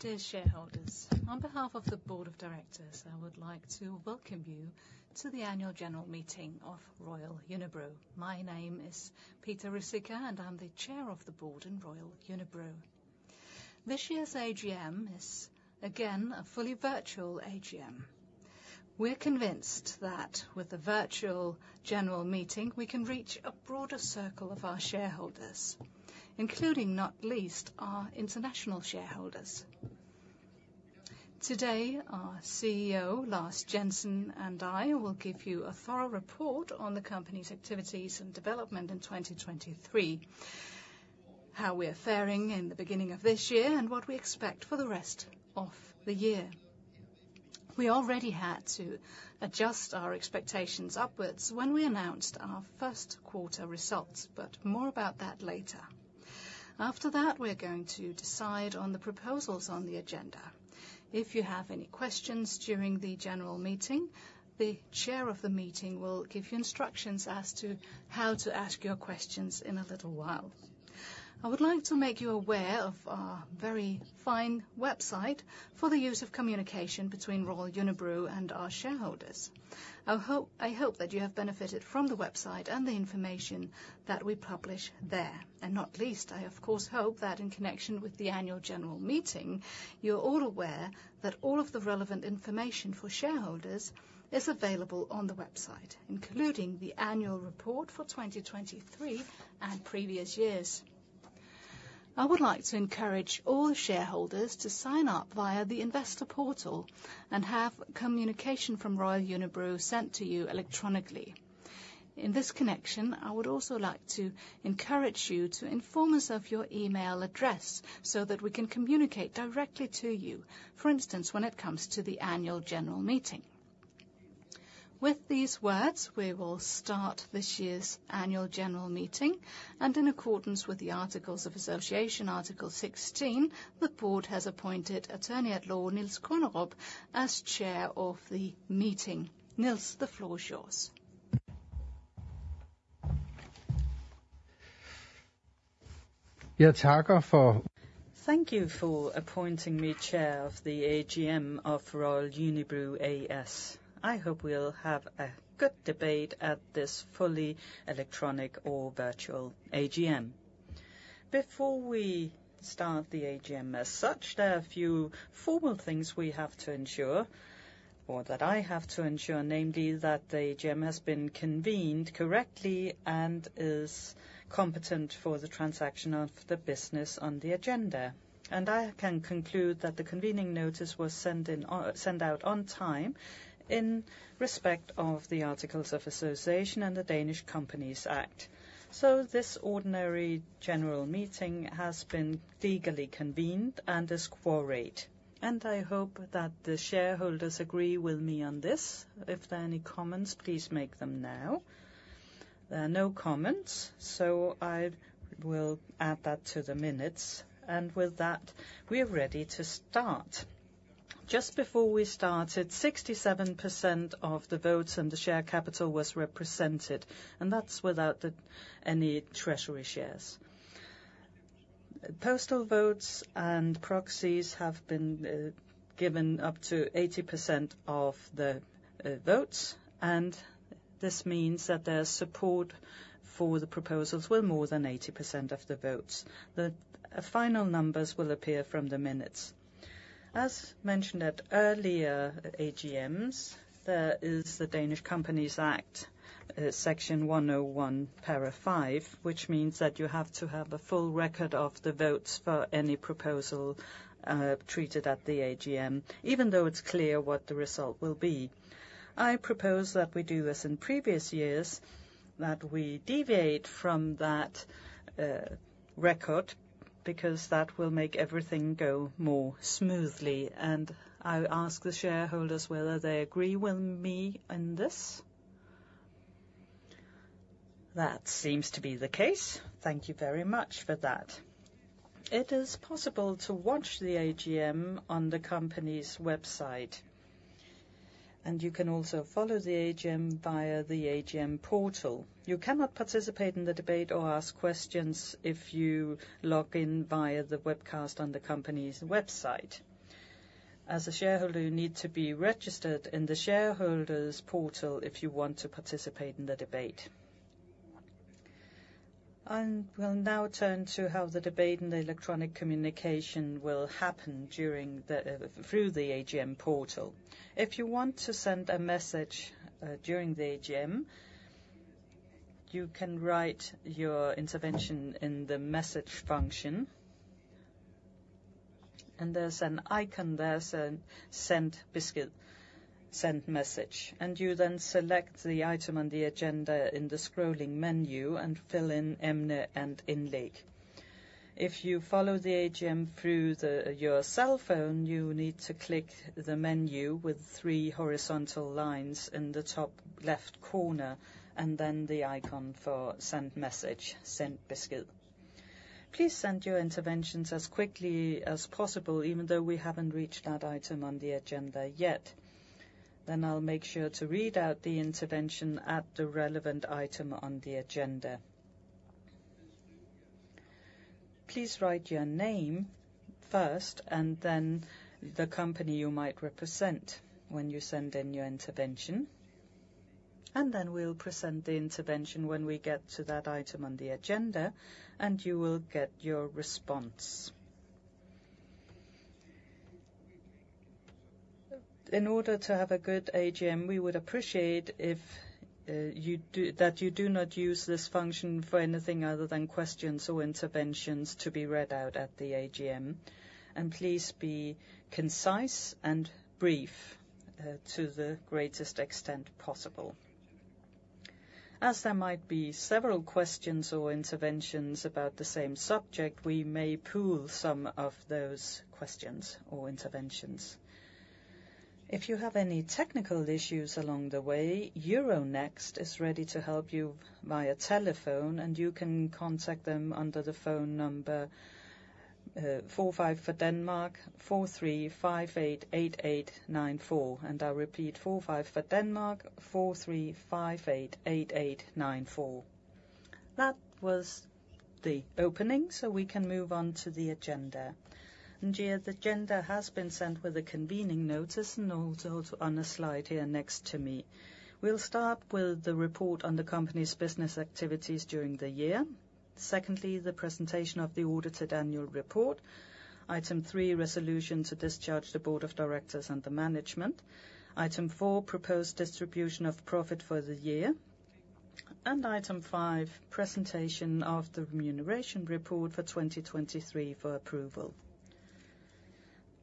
Dear shareholders, on behalf of the Board of Directors, I would like to welcome you to the annual general meeting of Royal Unibrew. My name is Peter Ruzicka, and I'm the Chair of the Board in Royal Unibrew. This year's AGM is, again, a fully virtual AGM. We're convinced that with the virtual general meeting, we can reach a broader circle of our shareholders, including, not least, our international shareholders. Today, our CEO, Lars Jensen, and I will give you a thorough report on the company's activities and development in 2023, how we are faring in the beginning of this year, and what we expect for the rest of the year. We already had to adjust our expectations upwards when we announced our first quarter results, but more about that later. After that, we're going to decide on the proposals on the agenda. If you have any questions during the general meeting, the chair of the meeting will give you instructions as to how to ask your questions in a little while. I would like to make you aware of our very fine website for the use of communication between Royal Unibrew and our shareholders. I hope, I hope that you have benefited from the website and the information that we publish there. And not least, I, of course, hope that in connection with the annual general meeting, you're all aware that all of the relevant information for shareholders is available on the website, including the annual report for 2023 and previous years. I would like to encourage all shareholders to sign up via the investor portal and have communication from Royal Unibrew sent to you electronically. In this connection, I would also like to encourage you to inform us of your email address so that we can communicate directly to you, for instance, when it comes to the annual general meeting. With these words, we will start this year's annual general meeting, and in accordance with the Articles of Association, Article 16, the board has appointed Attorney at Law, Niels Kornerup, as chair of the meeting. Niels, the floor is yours. Thank you for appointing me chair of the AGM of Royal Unibrew A/S. I hope we'll have a good debate at this fully electronic or virtual AGM. Before we start the AGM as such, there are a few formal things we have to ensure, or that I have to ensure, namely, that the AGM has been convened correctly and is competent for the transaction of the business on the agenda. I can conclude that the convening notice was sent out on time in respect of the Articles of Association and the Danish Companies Act. This ordinary general meeting has been legally convened and is quorate, and I hope that the shareholders agree with me on this. If there are any comments, please make them now. There are no comments, so I will add that to the minutes, and with that, we are ready to start. Just before we started, 67% of the votes and the share capital was represented, and that's without any treasury shares. Postal votes and proxies have been given up to 80% of the votes, and this means that there's support for the proposals with more than 80% of the votes. The final numbers will appear from the minutes. As mentioned at earlier AGMs, there is the Danish Companies Act, Section 101, para. 5, which means that you have to have a full record of the votes for any proposal treated at the AGM, even though it's clear what the result will be. I propose that we do as in previous years, that we deviate from that record, because that will make everything go more smoothly. I'll ask the shareholders whether they agree with me on this. That seems to be the case. Thank you very much for that. It is possible to watch the AGM on the company's website, and you can also follow the AGM via the AGM portal. You cannot participate in the debate or ask questions if you log in via the webcast on the company's website. As a shareholder, you need to be registered in the shareholders portal if you want to participate in the debate. We'll now turn to how the debate and the electronic communication will happen during the through the AGM portal. If you want to send a message during the AGM, you can write your intervention in the message function. There's an icon, there's a Send Besked, Send Message, and you then select the item on the agenda in the scrolling menu and fill in Emne and Indlæg. If you follow the AGM through your cell phone, you need to click the menu with three horizontal lines in the top left corner, and then the icon for Send Message, Send Besked. Please send your interventions as quickly as possible, even though we haven't reached that item on the agenda yet. Then I'll make sure to read out the intervention at the relevant item on the agenda... Please write your name first, and then the company you might represent when you send in your intervention. Then we'll present the intervention when we get to that item on the agenda, and you will get your response. In order to have a good AGM, we would appreciate if you do not use this function for anything other than questions or interventions to be read out at the AGM. Please be concise and brief to the greatest extent possible. As there might be several questions or interventions about the same subject, we may pool some of those questions or interventions. If you have any technical issues along the way, Euronext is ready to help you via telephone, and you can contact them under the phone number +45 43 58 88 94 for Denmark. And I repeat, +45 43 58 88 94 for Denmark. That was the opening, so we can move on to the agenda. And yeah, the agenda has been sent with a convening notice and also on a slide here next to me. We'll start with the report on the company's business activities during the year. Secondly, the presentation of the audited annual report. Item 3, resolution to discharge the Board of Directors and the management. Item 4, proposed distribution of profit for the year. And item 5, presentation of the remuneration report for 2023 for approval.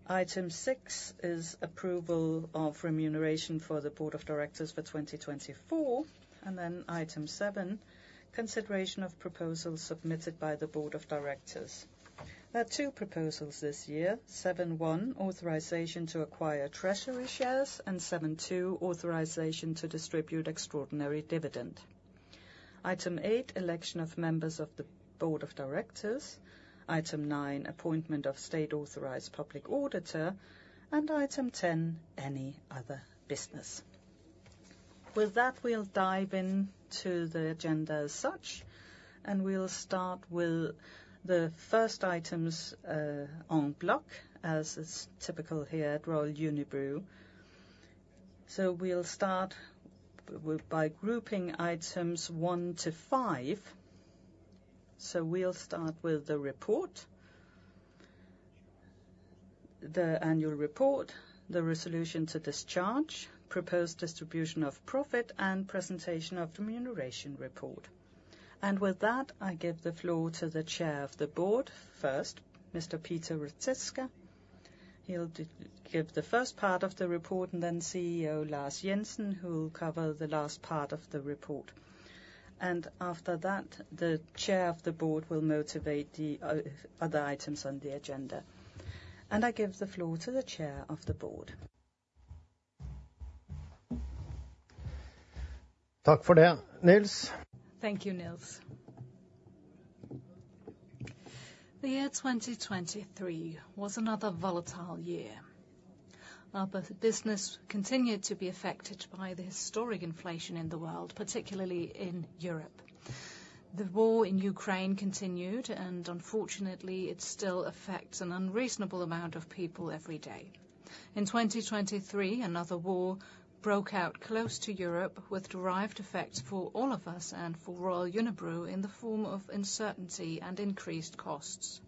Item 6 is approval of remuneration for the Board of Directors for 2024, and then item 7, consideration of proposals submitted by the Board of Directors. There are two proposals this year: 7.1, authorization to acquire treasury shares, and 7.2, authorization to distribute extraordinary dividend. Item 8, election of members of the Board of Directors. Item 9, appointment of state-authorized public auditor, and item 10, any other business. With that, we'll dive into the agenda as such, and we'll start with the first items en bloc, as is typical here at Royal Unibrew. So we'll start by grouping items 1 to 5. So we'll start with the report, the annual report, the resolution to discharge, proposed distribution of profit, and presentation of the remuneration report. And with that, I give the floor to the Chair of the Board first, Mr. Peter Ruzicka. He'll give the first part of the report, and then CEO Lars Jensen, who will cover the last part of the report. And after that, the Chair of the Board will motivate the other items on the agenda. And I give the floor to the Chair of the Board. Thank you, Niels. The year 2023 was another volatile year. Our business continued to be affected by the historic inflation in the world, particularly in Europe. The war in Ukraine continued, and unfortunately, it still affects an unreasonable amount of people every day. In 2023, another war broke out close to Europe, with derived effects for all of us and for Royal Unibrew in the form of uncertainty and increased costs.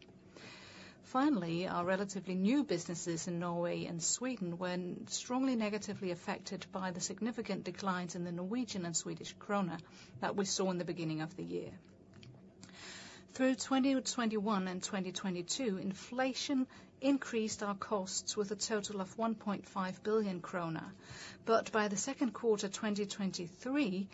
Finally, our relatively new businesses in Norway and Sweden were strongly negatively affected by the significant declines in the Norwegian and Swedish krona that we saw in the beginning of the year. Through 2021 and 2022, inflation increased our costs with a total of 1.5 billion kroner, but by the second quarter, 2023,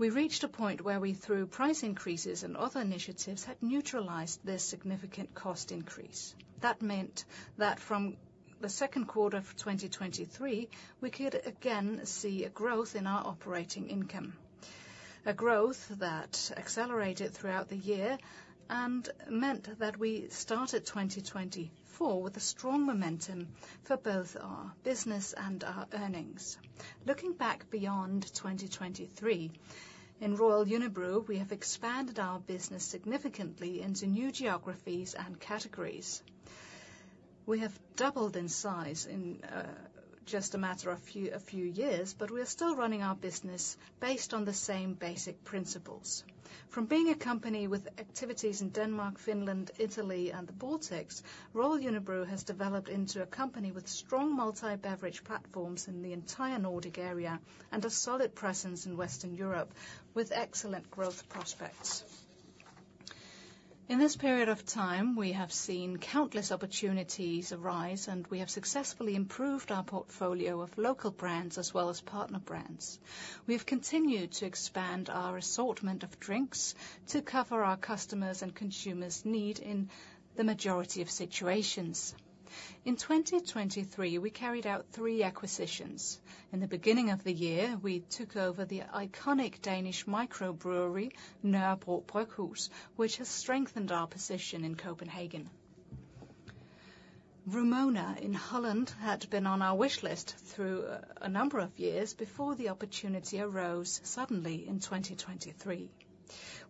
we reached a point where we, through price increases and other initiatives, had neutralized this significant cost increase. That meant that from the second quarter of 2023, we could again see a growth in our operating income, a growth that accelerated throughout the year and meant that we started 2024 with a strong momentum for both our business and our earnings. Looking back beyond 2023, in Royal Unibrew, we have expanded our business significantly into new geographies and categories. We have doubled in size in just a matter of a few years, but we are still running our business based on the same basic principles. From being a company with activities in Denmark, Finland, Italy, and the Baltics, Royal Unibrew has developed into a company with strong multi-beverage platforms in the entire Nordic area and a solid presence in Western Europe, with excellent growth prospects. In this period of time, we have seen countless opportunities arise, and we have successfully improved our portfolio of local brands as well as partner brands. We have continued to expand our assortment of drinks to cover our customers' and consumers' need in the majority of situations. In 2023, we carried out three acquisitions. In the beginning of the year, we took over the iconic Danish microbrewery, Nørrebro Bryghus, which has strengthened our position in Copenhagen. Vrumona in Holland had been on our wish list through a number of years before the opportunity arose suddenly in 2023.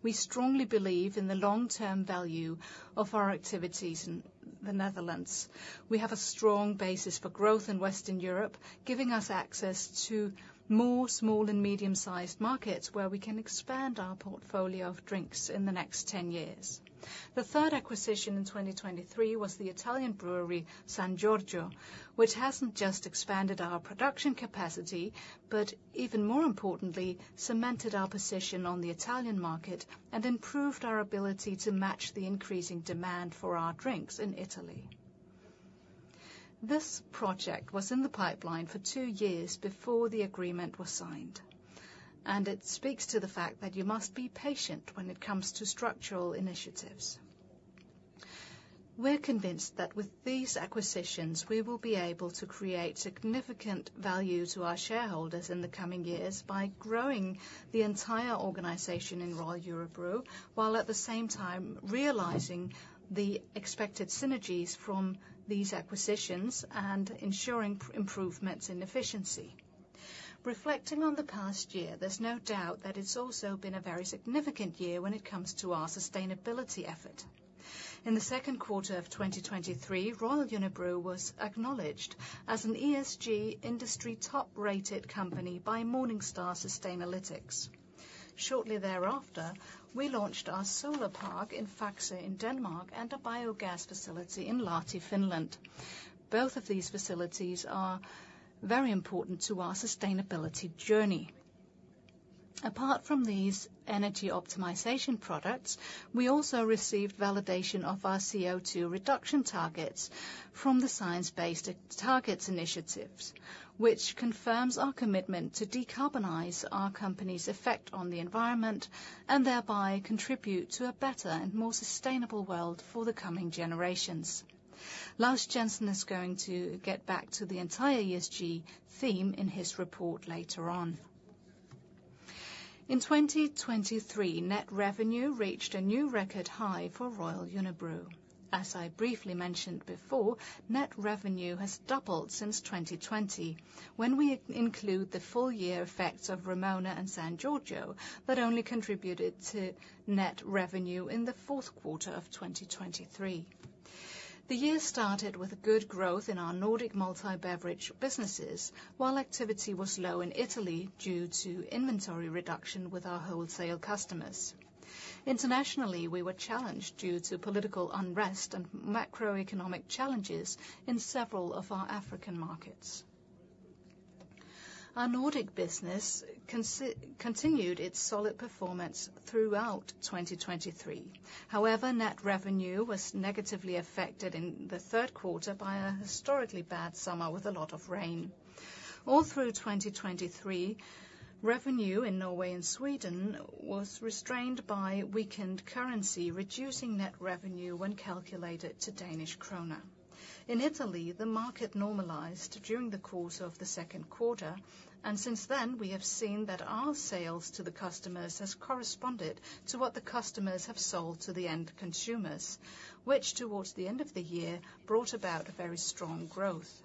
We strongly believe in the long-term value of our activities in the Netherlands. We have a strong basis for growth in Western Europe, giving us access to more small and medium-sized markets, where we can expand our portfolio of drinks in the next 10 years. The third acquisition in 2023 was the Italian brewery, San Giorgio, which hasn't just expanded our production capacity, but even more importantly, cemented our position on the Italian market, and improved our ability to match the increasing demand for our drinks in Italy. This project was in the pipeline for 2 years before the agreement was signed, and it speaks to the fact that you must be patient when it comes to structural initiatives. We're convinced that with these acquisitions, we will be able to create significant value to our shareholders in the coming years by growing the entire organization in Royal Unibrew, while at the same time, realizing the expected synergies from these acquisitions and ensuring improvements in efficiency. Reflecting on the past year, there's no doubt that it's also been a very significant year when it comes to our sustainability effort. In the second quarter of 2023, Royal Unibrew was acknowledged as an ESG industry top-rated company by Morningstar Sustainalytics. Shortly thereafter, we launched our solar park in Faxe in Denmark, and a biogas facility in Lahti, Finland. Both of these facilities are very important to our sustainability journey. Apart from these energy optimization products, we also received validation of our CO2 reduction targets from the Science Based Targets initiative, which confirms our commitment to decarbonize our company's effect on the environment, and thereby, contribute to a better and more sustainable world for the coming generations. Lars Jensen is going to get back to the entire ESG theme in his report later on. In 2023, net revenue reached a new record high for Royal Unibrew. As I briefly mentioned before, net revenue has doubled since 2020, when we include the full year effects of Vrumona and San Giorgio, that only contributed to net revenue in the fourth quarter of 2023. The year started with a good growth in our Nordic multi-beverage businesses, while activity was low in Italy due to inventory reduction with our wholesale customers. Internationally, we were challenged due to political unrest and macroeconomic challenges in several of our African markets. Our Nordic business continued its solid performance throughout 2023. However, net revenue was negatively affected in the third quarter by a historically bad summer with a lot of rain. All through 2023, revenue in Norway and Sweden was restrained by weakened currency, reducing net revenue when calculated to Danish kroner. In Italy, the market normalized during the course of the second quarter, and since then, we have seen that our sales to the customers has corresponded to what the customers have sold to the end consumers, which towards the end of the year, brought about a very strong growth.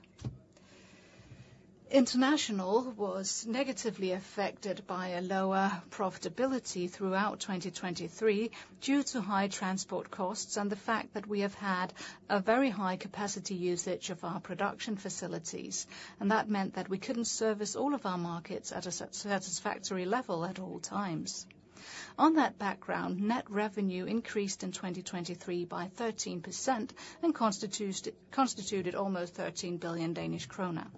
International was negatively affected by a lower profitability throughout 2023 due to high transport costs, and the fact that we have had a very high capacity usage of our production facilities, and that meant that we couldn't service all of our markets at a satisfactory level at all times. On that background, net revenue increased in 2023 by 13% and constituted almost 13 billion Danish krone.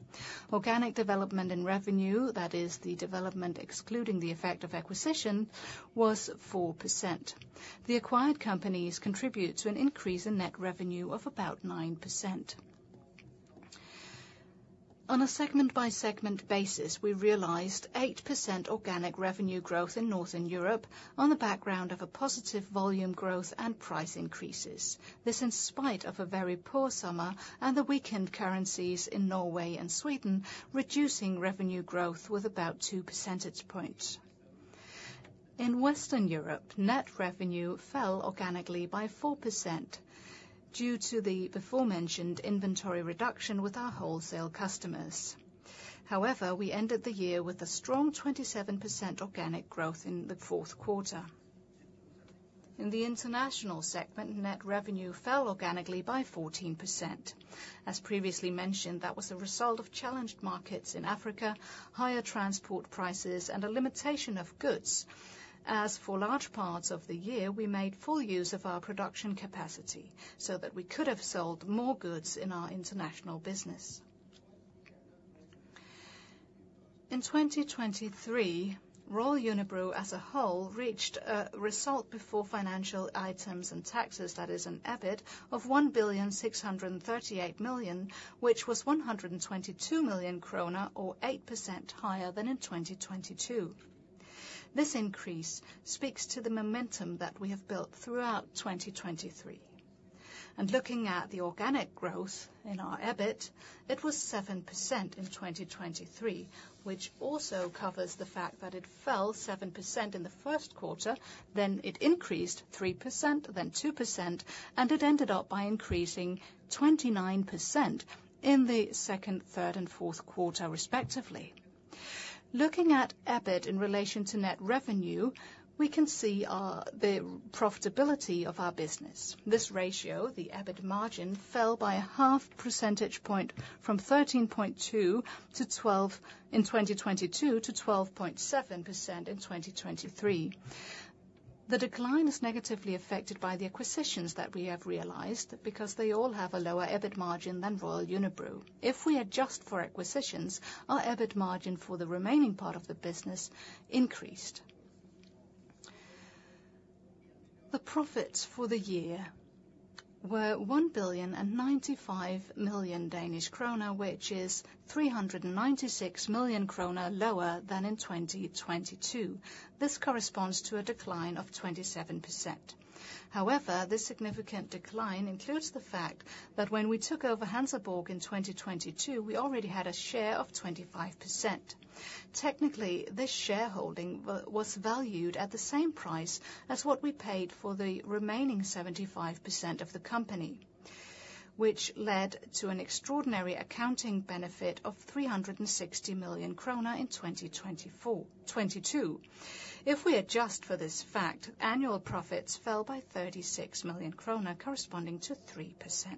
Organic development in revenue, that is, the development excluding the effect of acquisition, was 4%. The acquired companies contribute to an increase in net revenue of about 9%. On a segment-by-segment basis, we realized 8% organic revenue growth in Northern Europe on the background of a positive volume growth and price increases. This, in spite of a very poor summer and the weakened currencies in Norway and Sweden, reducing revenue growth with about two percentage points. In Western Europe, net revenue fell organically by 4% due to the aforementioned inventory reduction with our wholesale customers. However, we ended the year with a strong 27% organic growth in the fourth quarter. In the international segment, net revenue fell organically by 14%. As previously mentioned, that was a result of challenged markets in Africa, higher transport prices, and a limitation of goods. As for large parts of the year, we made full use of our production capacity so that we could have sold more goods in our international business. In 2023, Royal Unibrew as a whole, reached a result before financial items and taxes, that is an EBIT, of 1,638 million, which was 122 million kroner, or 8% higher than in 2022. This increase speaks to the momentum that we have built throughout 2023. Looking at the organic growth in our EBIT, it was 7% in 2023, which also covers the fact that it fell 7% in the first quarter, then it increased 3%, then 2%, and it ended up by increasing 29% in the second, third, and fourth quarter, respectively.... Looking at EBIT in relation to net revenue, we can see, the profitability of our business. This ratio, the EBIT margin, fell by a half percentage point from 13.2 to 12 in 2022, to 12.7% in 2023. The decline is negatively affected by the acquisitions that we have realized, because they all have a lower EBIT margin than Royal Unibrew. If we adjust for acquisitions, our EBIT margin for the remaining part of the business increased. The profits for the year were 1,095 million Danish krone, which is 396 million krone lower than in 2022. This corresponds to a decline of 27%. However, this significant decline includes the fact that when we took over Hansa Borg in 2022, we already had a share of 25%. Technically, this shareholding was valued at the same price as what we paid for the remaining 75% of the company, which led to an extraordinary accounting benefit of 360 million kroner in 2024, 2022. If we adjust for this fact, annual profits fell by 36 million kroner, corresponding to 3%.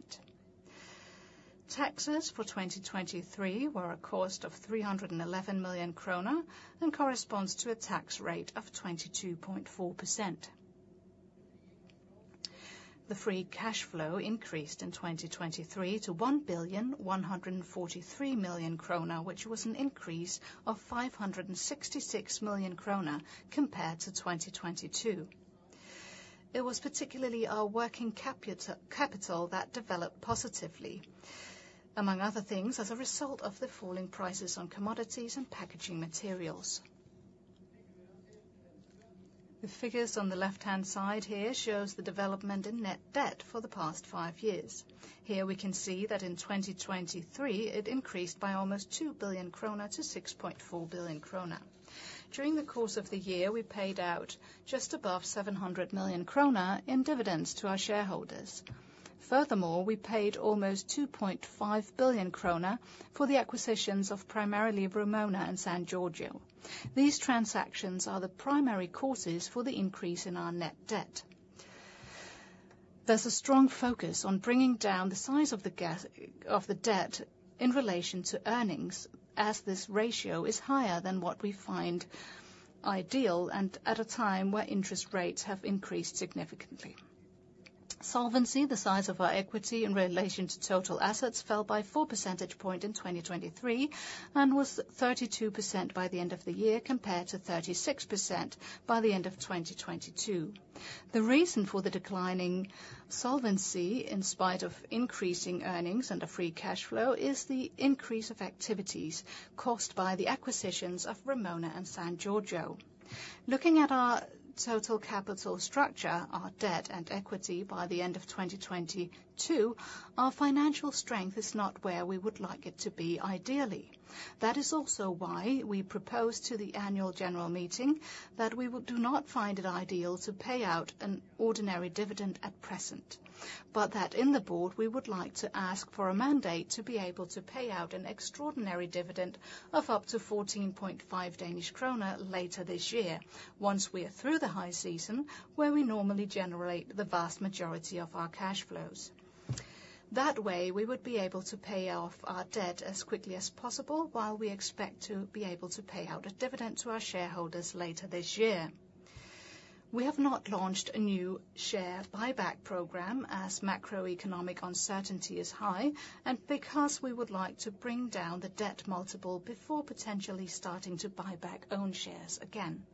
Taxes for 2023 were a cost of 311 million kroner, and corresponds to a tax rate of 22.4%. The free cash flow increased in 2023 to 1,143 million krone, which was an increase of 566 million krone compared to 2022. It was particularly our working capital that developed positively, among other things, as a result of the falling prices on commodities and packaging materials. The figures on the left-hand side here shows the development in net debt for the past five years. Here we can see that in 2023, it increased by almost 2 billion krone to 6.4 billion krone. During the course of the year, we paid out just above 700 million krone in dividends to our shareholders. Furthermore, we paid almost 2.5 billion krone for the acquisitions of primarily Vrumona and San Giorgio. These transactions are the primary causes for the increase in our net debt. There's a strong focus on bringing down the size of the debt in relation to earnings, as this ratio is higher than what we find ideal and at a time where interest rates have increased significantly. Solvency, the size of our equity in relation to total assets, fell by 4 percentage points in 2023, and was 32% by the end of the year, compared to 36% by the end of 2022. The reason for the declining solvency, in spite of increasing earnings and a free cash flow, is the increase of activities caused by the acquisitions of Vrumona and San Giorgio. Looking at our total capital structure, our debt and equity by the end of 2022, our financial strength is not where we would like it to be ideally. That is also why we propose to the annual general meeting that we do not find it ideal to pay out an ordinary dividend at present, but that in the board, we would like to ask for a mandate to be able to pay out an extraordinary dividend of up to 14.5 Danish kroner later this year, once we are through the high season, where we normally generate the vast majority of our cash flows. That way, we would be able to pay off our debt as quickly as possible, while we expect to be able to pay out a dividend to our shareholders later this year. We have not launched a new share buyback program as macroeconomic uncertainty is high, and because we would like to bring down the debt multiple before potentially starting to buy back own shares again.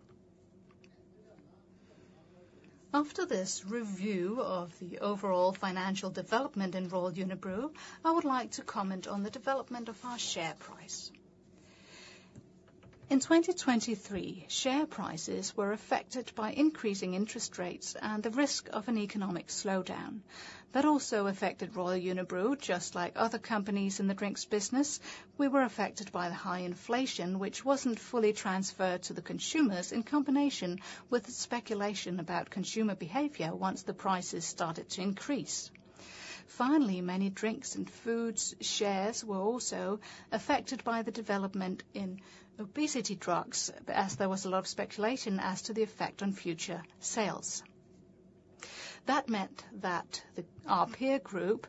After this review of the overall financial development in Royal Unibrew, I would like to comment on the development of our share price. In 2023, share prices were affected by increasing interest rates and the risk of an economic slowdown. That also affected Royal Unibrew. Just like other companies in the drinks business, we were affected by the high inflation, which wasn't fully transferred to the consumers, in combination with the speculation about consumer behavior once the prices started to increase. Finally, many drinks and foods shares were also affected by the development in obesity drugs, as there was a lot of speculation as to the effect on future sales. That meant that our peer group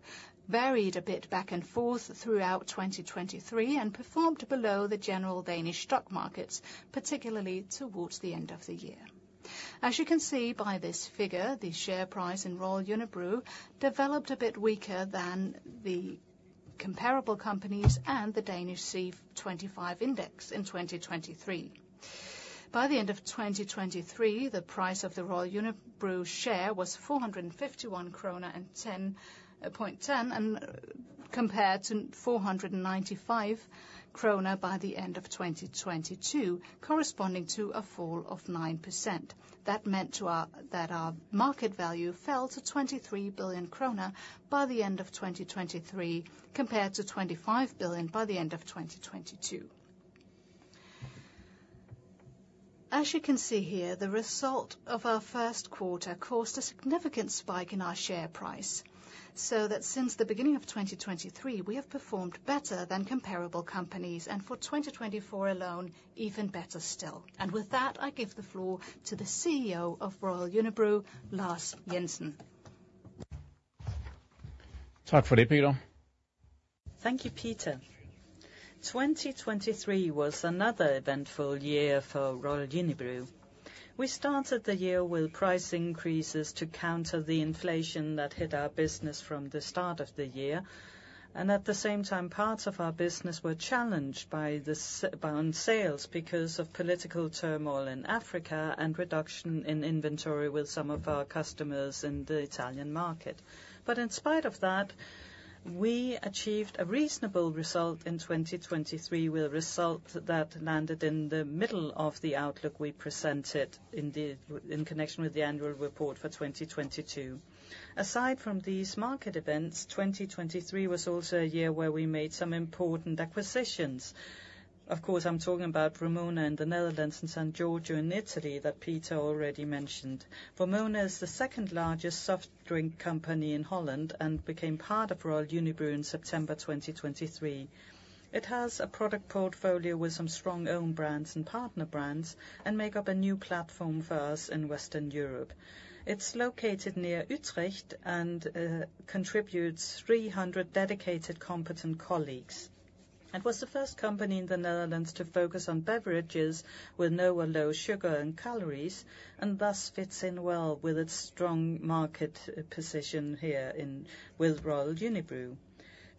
varied a bit back and forth throughout 2023, and performed below the general Danish stock markets, particularly towards the end of the year. As you can see by this figure, the share price in Royal Unibrew developed a bit weaker than the comparable companies and the Danish C25 Index in 2023. By the end of 2023, the price of the Royal Unibrew share was 451.10 krone, compared to 495 krone by the end of 2022, corresponding to a fall of 9%. That meant that our market value fell to 23 billion krone by the end of 2023, compared to 25 billion by the end of 2022. As you can see here, the result of our first quarter caused a significant spike in our share price, so that since the beginning of 2023, we have performed better than comparable companies, and for 2024 alone, even better still. With that, I give the floor to the CEO of Royal Unibrew, Lars Jensen. Thank you, Peter. 2023 was another eventful year for Royal Unibrew. We started the year with price increases to counter the inflation that hit our business from the start of the year, and at the same time, parts of our business were challenged by set bound sales because of political turmoil in Africa and reduction in inventory with some of our customers in the Italian market. But in spite of that, we achieved a reasonable result in 2023, with a result that landed in the middle of the outlook we presented in connection with the annual report for 2022. Aside from these market events, 2023 was also a year where we made some important acquisitions. Of course, I'm talking about Vrumona in the Netherlands and San Giorgio in Italy, that Peter already mentioned. Vrumona is the second largest soft drink company in Holland and became part of Royal Unibrew in September 2023. It has a product portfolio with some strong own brands and partner brands, and make up a new platform for us in Western Europe. It's located near Utrecht and contributes 300 dedicated, competent colleagues. It was the first company in the Netherlands to focus on beverages with no or low sugar and calories, and thus fits in well with its strong market position here in with Royal Unibrew.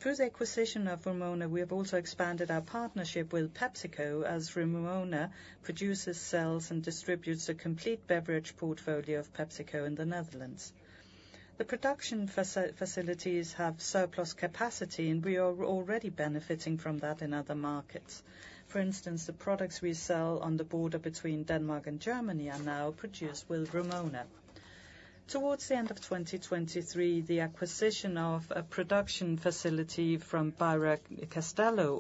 Through the acquisition of Vrumona, we have also expanded our partnership with PepsiCo, as Vrumona produces, sells, and distributes a complete beverage portfolio of PepsiCo in the Netherlands. The production facilities have surplus capacity, and we are already benefiting from that in other markets. For instance, the products we sell on the border between Denmark and Germany are now produced with Vrumona. Towards the end of 2023, the acquisition of a production facility from Birra Castello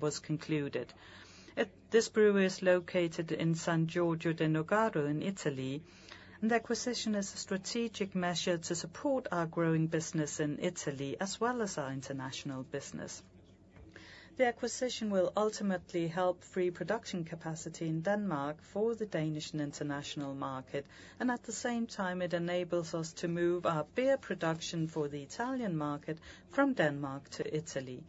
was concluded. This brewery is located in San Giorgio di Nogaro in Italy, and the acquisition is a strategic measure to support our growing business in Italy, as well as our international business. The acquisition will ultimately help free production capacity in Denmark for the Danish and international market, and at the same time, it enables us to move our beer production for the Italian market from Denmark to Italy.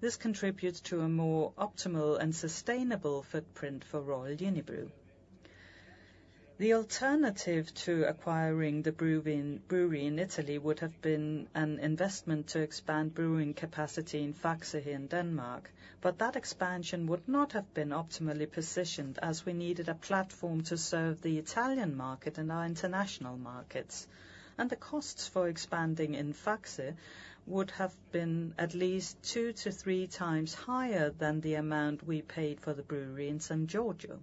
This contributes to a more optimal and sustainable footprint for Royal Unibrew. The alternative to acquiring the brewery in Italy would have been an investment to expand brewing capacity in Faxe, here in Denmark, but that expansion would not have been optimally positioned as we needed a platform to serve the Italian market and our international markets. The costs for expanding in Faxe would have been at least 2-3 times higher than the amount we paid for the brewery in San Giorgio.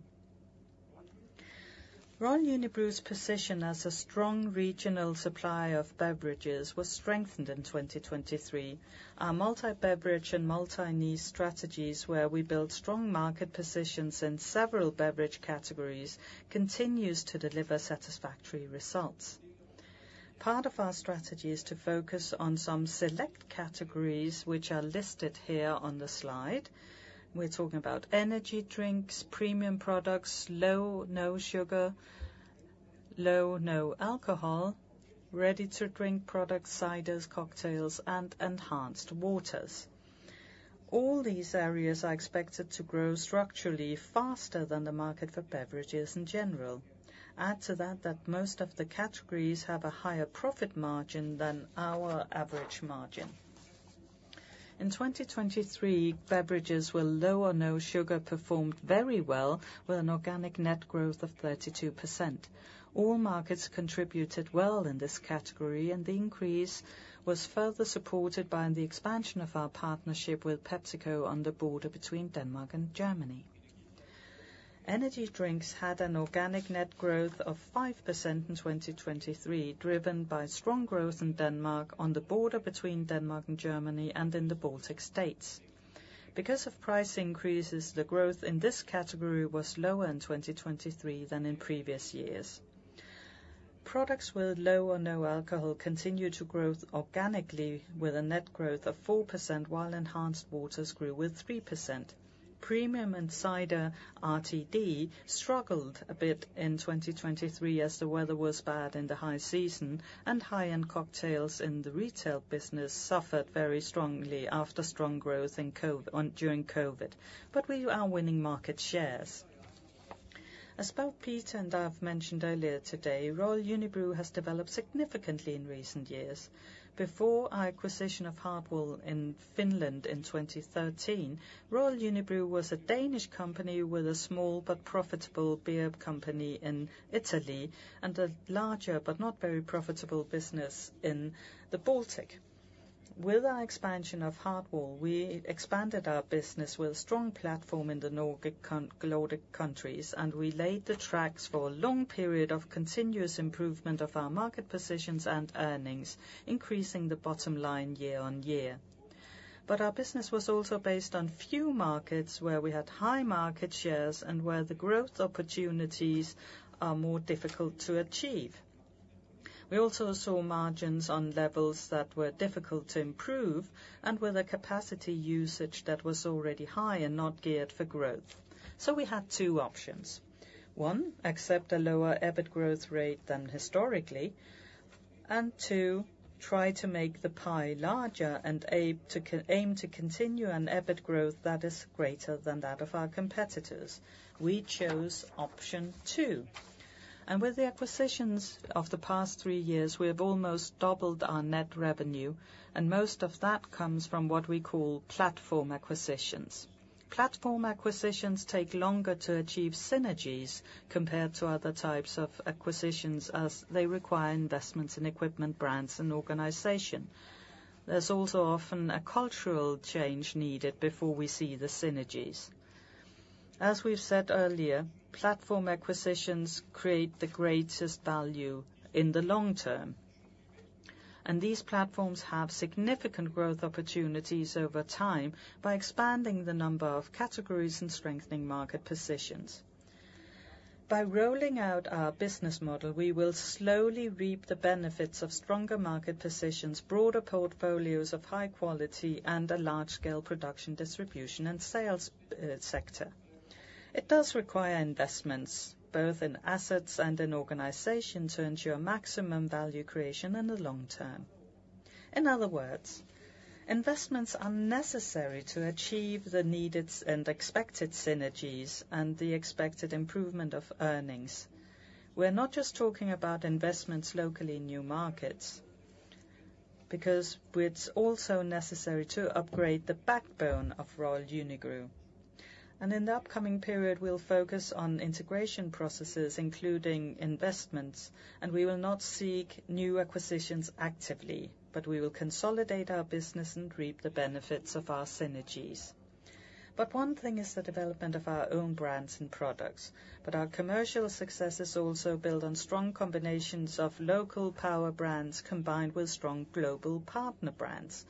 Royal Unibrew's position as a strong regional supplier of beverages was strengthened in 2023. Our multi-beverage and multi-need strategies, where we build strong market positions in several beverage categories, continues to deliver satisfactory results. Part of our strategy is to focus on some select categories, which are listed here on the slide. We're talking about energy drinks, premium products, low, no sugar, low, no alcohol, ready-to-drink products, ciders, cocktails, and enhanced waters. All these areas are expected to grow structurally faster than the market for beverages in general. Add to that, that most of the categories have a higher profit margin than our average margin. In 2023, beverages with low or no sugar performed very well, with an organic net growth of 32%. All markets contributed well in this category, and the increase was further supported by the expansion of our partnership with PepsiCo on the border between Denmark and Germany. Energy drinks had an organic net growth of 5% in 2023, driven by strong growth in Denmark, on the border between Denmark and Germany, and in the Baltic States. Because of price increases, the growth in this category was lower in 2023 than in previous years. Products with low or no alcohol continued to grow organically, with a net growth of 4%, while enhanced waters grew with 3%. Premium and cider RTD struggled a bit in 2023 as the weather was bad in the high season, and high-end cocktails in the retail business suffered very strongly after strong growth in COVID, on during COVID, but we are winning market shares. As both Peter and I have mentioned earlier today, Royal Unibrew has developed significantly in recent years. Before our acquisition of Hartwall in Finland in 2013, Royal Unibrew was a Danish company with a small but profitable beer company in Italy, and a larger but not very profitable business in the Baltic. With our expansion of Hartwall, we expanded our business with strong platform in the Nordic countries, and we laid the tracks for a long period of continuous improvement of our market positions and earnings, increasing the bottom line year on year. But our business was also based on few markets, where we had high market shares and where the growth opportunities are more difficult to achieve. We also saw margins on levels that were difficult to improve, and with a capacity usage that was already high and not geared for growth. So we had two options. One, accept a lower EBIT growth rate than historically, and two, try to make the pie larger and aim to continue an EBIT growth that is greater than that of our competitors. We chose option two, and with the acquisitions of the past three years, we have almost doubled our net revenue, and most of that comes from what we call platform acquisitions. Platform acquisitions take longer to achieve synergies compared to other types of acquisitions, as they require investments in equipment, brands, and organization. There's also often a cultural change needed before we see the synergies. As we've said earlier, platform acquisitions create the greatest value in the long term, and these platforms have significant growth opportunities over time by expanding the number of categories and strengthening market positions. By rolling out our business model, we will slowly reap the benefits of stronger market positions, broader portfolios of high quality, and a large-scale production, distribution, and sales sector. It does require investments, both in assets and in organization, to ensure maximum value creation in the long term. In other words, investments are necessary to achieve the needed and expected synergies and the expected improvement of earnings. We're not just talking about investments locally in new markets, because it's also necessary to upgrade the backbone of Royal Unibrew. In the upcoming period, we'll focus on integration processes, including investments, and we will not seek new acquisitions actively, but we will consolidate our business and reap the benefits of our synergies. One thing is the development of our own brands and products, but our commercial success is also built on strong combinations of local power brands, combined with strong global partner brands,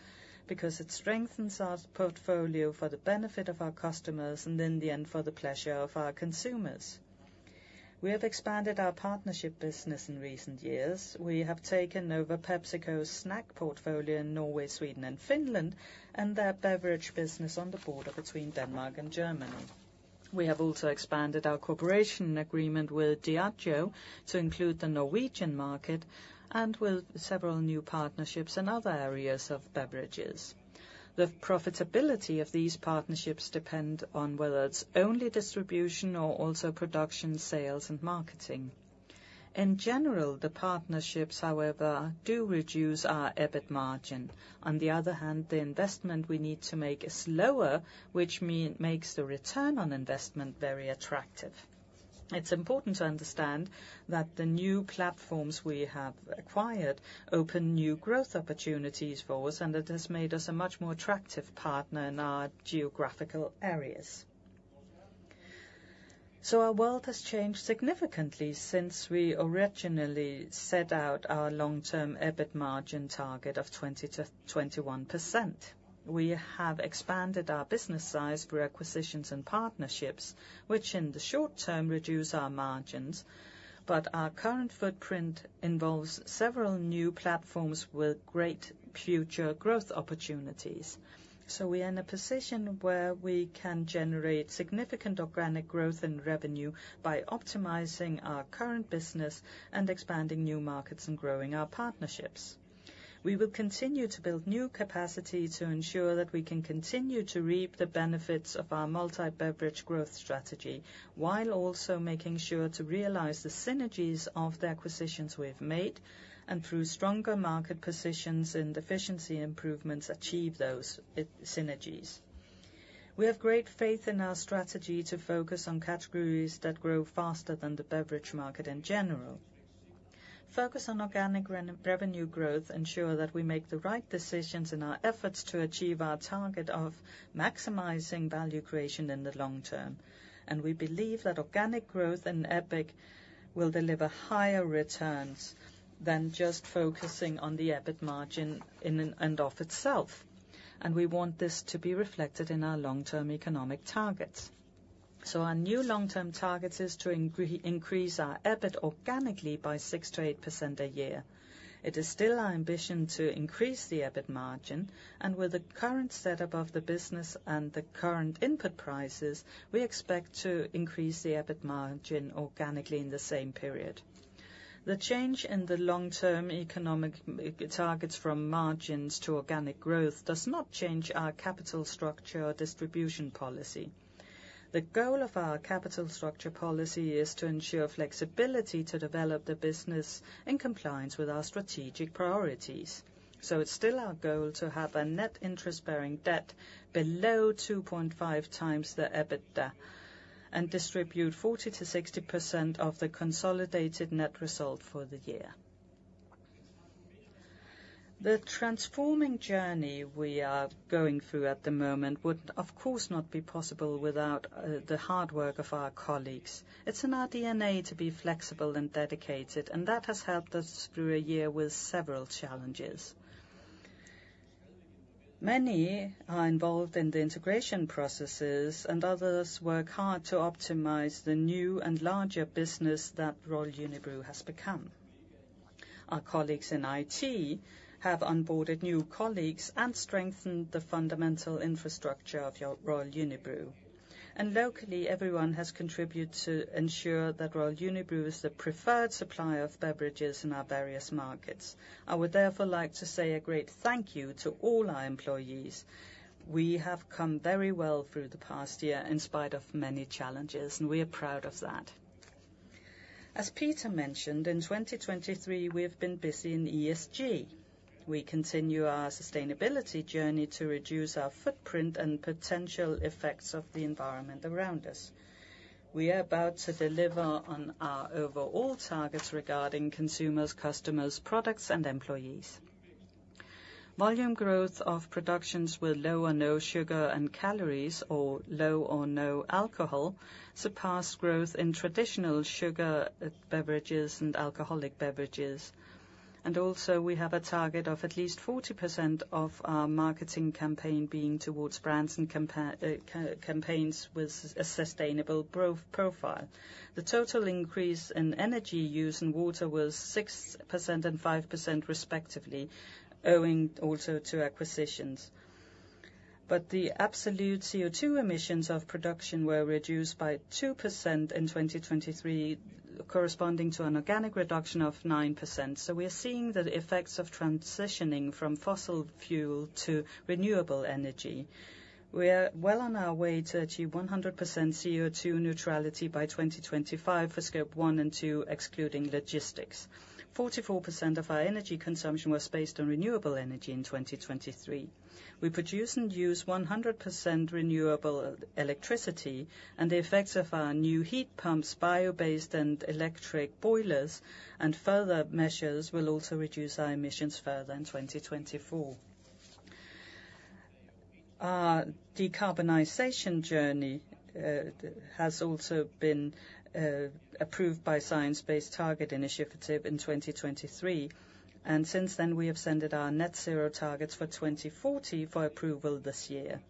because it strengthens our portfolio for the benefit of our customers and in the end, for the pleasure of our consumers. We have expanded our partnership business in recent years. We have taken over PepsiCo's snack portfolio in Norway, Sweden, and Finland, and their beverage business on the border between Denmark and Germany. We have also expanded our cooperation agreement with Diageo to include the Norwegian market and with several new partnerships in other areas of beverages. The profitability of these partnerships depend on whether it's only distribution or also production, sales, and marketing. In general, the partnerships, however, do reduce our EBIT margin. On the other hand, the investment we need to make is lower, which makes the return on investment very attractive. It's important to understand that the new platforms we have acquired open new growth opportunities for us, and it has made us a much more attractive partner in our geographical areas. So our world has changed significantly since we originally set out our long-term EBIT margin target of 20%-21%. We have expanded our business size through acquisitions and partnerships, which in the short term, reduce our margins, but our current footprint involves several new platforms with great future growth opportunities. So we're in a position where we can generate significant organic growth in revenue by optimizing our current business and expanding new markets and growing our partnerships. We will continue to build new capacity to ensure that we can continue to reap the benefits of our multi-beverage growth strategy, while also making sure to realize the synergies of the acquisitions we've made, and through stronger market positions and efficiency improvements, achieve those synergies. We have great faith in our strategy to focus on categories that grow faster than the beverage market in general. Focus on organic revenue growth ensure that we make the right decisions in our efforts to achieve our target of maximizing value creation in the long term, and we believe that organic growth and EBIT will deliver higher returns than just focusing on the EBIT margin in and of itself, and we want this to be reflected in our long-term economic targets. So our new long-term target is to increase our EBIT organically by 6%-8% a year. It is still our ambition to increase the EBIT margin, and with the current setup of the business and the current input prices, we expect to increase the EBIT margin organically in the same period. The change in the long-term economic targets from margins to organic growth does not change our capital structure or distribution policy. The goal of our capital structure policy is to ensure flexibility to develop the business in compliance with our strategic priorities. So it's still our goal to have a net interest-bearing debt below 2.5 times the EBITDA, and distribute 40%-60% of the consolidated net result for the year. The transforming journey we are going through at the moment would, of course, not be possible without the hard work of our colleagues. It's in our DNA to be flexible and dedicated, and that has helped us through a year with several challenges. Many are involved in the integration processes, and others work hard to optimize the new and larger business that Royal Unibrew has become. Our colleagues in IT have onboarded new colleagues and strengthened the fundamental infrastructure of Royal Unibrew. Locally, everyone has contributed to ensure that Royal Unibrew is the preferred supplier of beverages in our various markets. I would therefore like to say a great thank you to all our employees. We have come very well through the past year in spite of many challenges, and we are proud of that. As Peter mentioned, in 2023, we have been busy in ESG. We continue our sustainability journey to reduce our footprint and potential effects of the environment around us. We are about to deliver on our overall targets regarding consumers, customers, products, and employees. Volume growth of productions with low or no sugar and calories, or low or no alcohol, surpassed growth in traditional sugar beverages and alcoholic beverages. And also, we have a target of at least 40% of our marketing campaign being towards brands and campaigns with a sustainable growth profile. The total increase in energy use and water was 6% and 5% respectively, owing also to acquisitions. But the absolute CO₂ emissions of production were reduced by 2% in 2023, corresponding to an organic reduction of 9%. So we are seeing the effects of transitioning from fossil fuel to renewable energy. We are well on our way to achieve 100% CO₂ neutrality by 2025 for Scope 1 and 2, excluding logistics. 44% of our energy consumption was based on renewable energy in 2023. We produce and use 100% renewable electricity, and the effects of our new heat pumps, bio-based and electric boilers, and further measures will also reduce our emissions further in 2024. Our decarbonization journey has also been approved by Science Based Targets initiative in 2023, and since then, we have sent our net zero targets for 2040 for approval this year.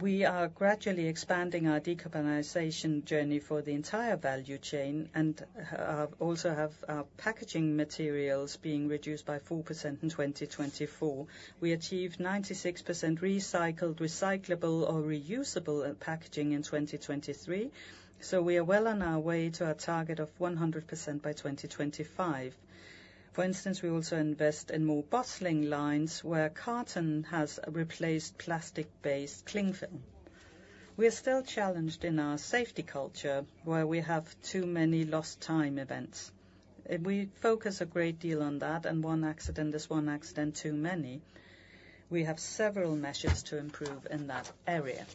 We are gradually expanding our decarbonization journey for the entire value chain and also have our packaging materials being reduced by 4% in 2024. We achieved 96% recycled, recyclable, or reusable packaging in 2023, so we are well on our way to our target of 100% by 2025. For instance, we also invest in more bottling lines, where carton has replaced plastic-based cling film. We are still challenged in our safety culture, where we have too many lost time events. We focus a great deal on that, and one accident is one accident too many. We have several measures to improve in that area.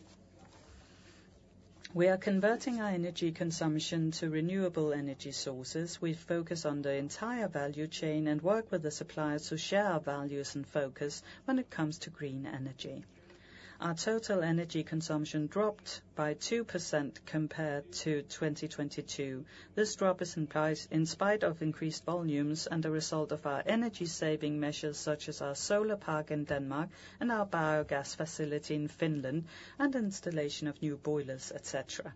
We are converting our energy consumption to renewable energy sources. We focus on the entire value chain and work with the suppliers to share our values and focus when it comes to green energy. Our total energy consumption dropped by 2% compared to 2022. This drop is in spite of increased volumes and the result of our energy-saving measures, such as our solar park in Denmark and our biogas facility in Finland and installation of new boilers, et cetera.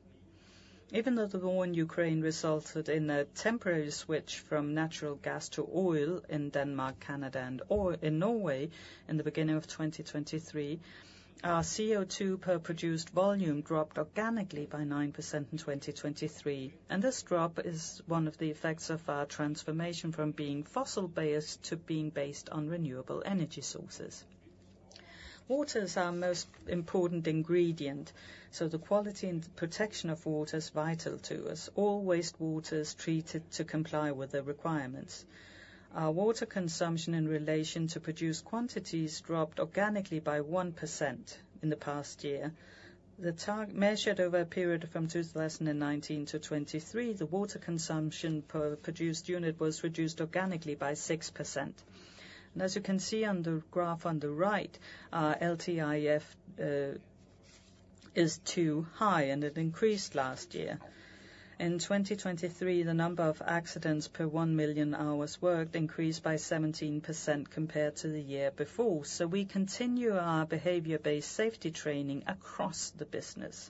Even though the war in Ukraine resulted in a temporary switch from natural gas to oil in Denmark, Canada, and oil in Norway in the beginning of 2023, our CO₂ per produced volume dropped organically by 9% in 2023, and this drop is one of the effects of our transformation from being fossil-based to being based on renewable energy sources. Water is our most important ingredient, so the quality and protection of water is vital to us. All wastewater is treated to comply with the requirements. Our water consumption in relation to produced quantities dropped organically by 1% in the past year. Measured over a period from 2019 to 2023, the water consumption per produced unit was reduced organically by 6%. As you can see on the graph on the right, our LTIF is too high, and it increased last year. In 2023, the number of accidents per 1 million hours worked increased by 17% compared to the year before. So we continue our behavior-based safety training across the business.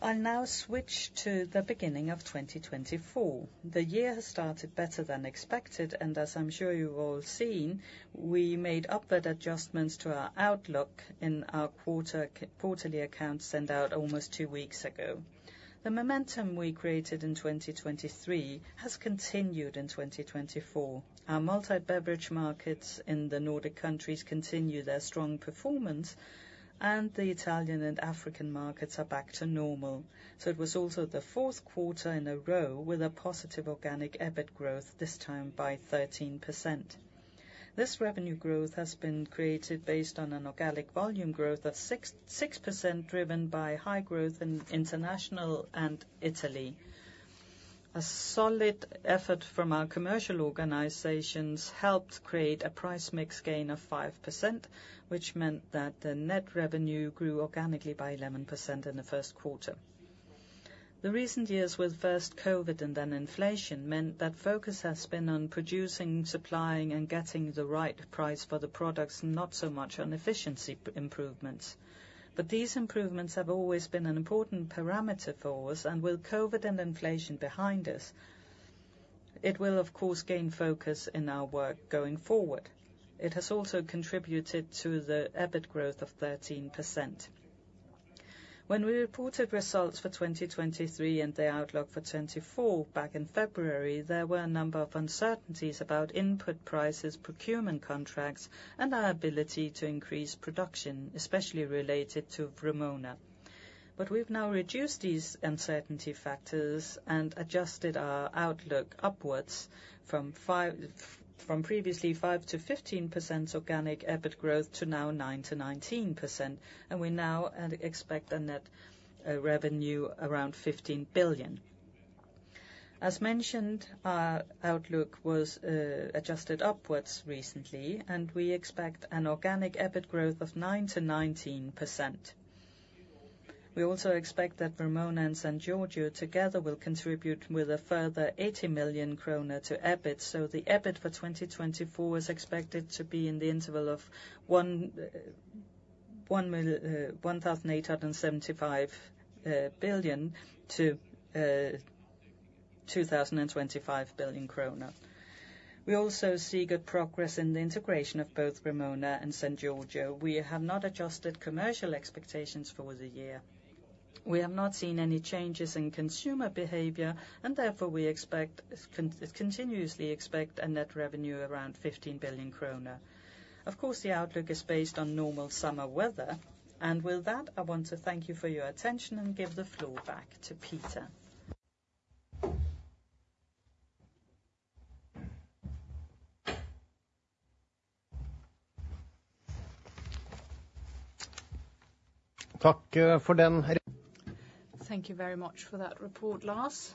I'll now switch to the beginning of 2024. The year has started better than expected, and as I'm sure you've all seen, we made upward adjustments to our outlook in our quarter, quarterly accounts sent out almost two weeks ago. The momentum we created in 2023 has continued in 2024. Our multi-beverage markets in the Nordic countries continue their strong performance, and the Italian and African markets are back to normal. So it was also the fourth quarter in a row with a positive organic EBIT growth, this time by 13%. This revenue growth has been created based on an organic volume growth of 6.6%, driven by high growth in international and Italy. A solid effort from our commercial organizations helped create a price mix gain of 5%, which meant that the net revenue grew organically by 11% in the first quarter. The recent years with first COVID and then inflation meant that focus has been on producing, supplying, and getting the right price for the products, not so much on efficiency improvements. But these improvements have always been an important parameter for us, and with COVID and inflation behind us, it will, of course, gain focus in our work going forward. It has also contributed to the EBIT growth of 13%. When we reported results for 2023 and the outlook for 2024 back in February, there were a number of uncertainties about input prices, procurement contracts, and our ability to increase production, especially related to Vrumona. But we've now reduced these uncertainty factors and adjusted our outlook upwards from previously 5%-15% organic EBIT growth to now 9%-19%, and we now expect a net revenue around 15 billion. As mentioned, our outlook was adjusted upwards recently, and we expect an organic EBIT growth of 9%-19%. We also expect that Vrumona and San Giorgio together will contribute with a further 80 million kroner to EBIT, so the EBIT for 2024 is expected to be in the interval of 1.875 billion-2.025 billion kroner. We also see good progress in the integration of both Vrumona and San Giorgio. We have not adjusted commercial expectations for the year. We have not seen any changes in consumer behavior, and therefore, we continuously expect a net revenue around 15 billion kroner. Of course, the outlook is based on normal summer weather, and with that, I want to thank you for your attention and give the floor back to Peter. Thank you very much for that report, Lars.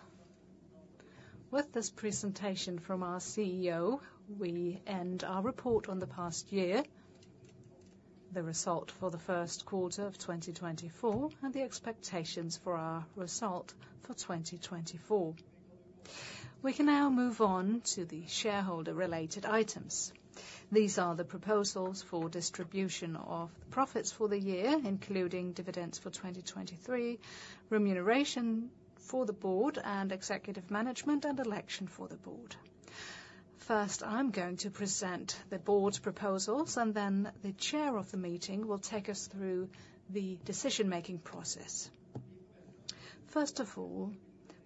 With this presentation from our CEO, we end our report on the past year, the result for the first quarter of 2024, and the expectations for our result for 2024. We can now move on to the shareholder-related items. These are the proposals for distribution of profits for the year, including dividends for 2023, remuneration for the board and executive management, and election for the board. First, I'm going to present the board's proposals, and then the chair of the meeting will take us through the decision-making process. First of all,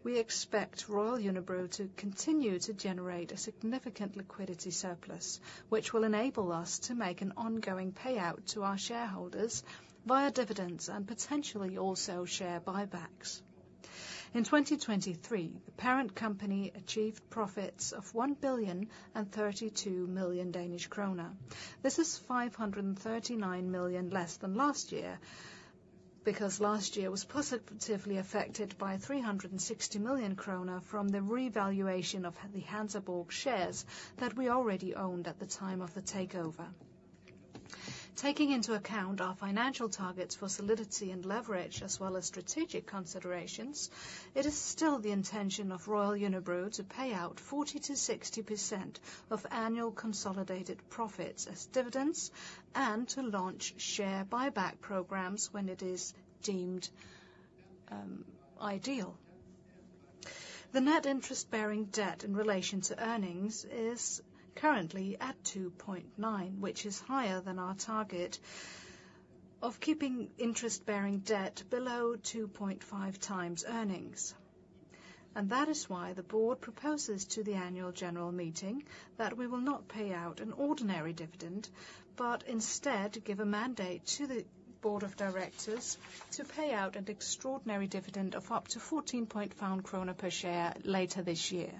we expect Royal Unibrew to continue to generate a significant liquidity surplus, which will enable us to make an ongoing payout to our shareholders via dividends and potentially also share buybacks. In 2023, the parent company achieved profits of 1,032 million Danish krone. This is 539 million less than last year, because last year was positively affected by 360 million kroner from the revaluation of the Hansa Borg shares that we already owned at the time of the takeover. Taking into account our financial targets for solidity and leverage, as well as strategic considerations, it is still the intention of Royal Unibrew to pay out 40%-60% of annual consolidated profits as dividends and to launch share buyback programs when it is deemed ideal. The net interest-bearing debt in relation to earnings is currently at 2.9, which is higher than our target of keeping interest-bearing debt below 2.5 times earnings. That is why the board proposes to the annual general meeting that we will not pay out an ordinary dividend, but instead give a mandate to the Board of Directors to pay out an extraordinary dividend of up to DKK 14.5 per share later this year,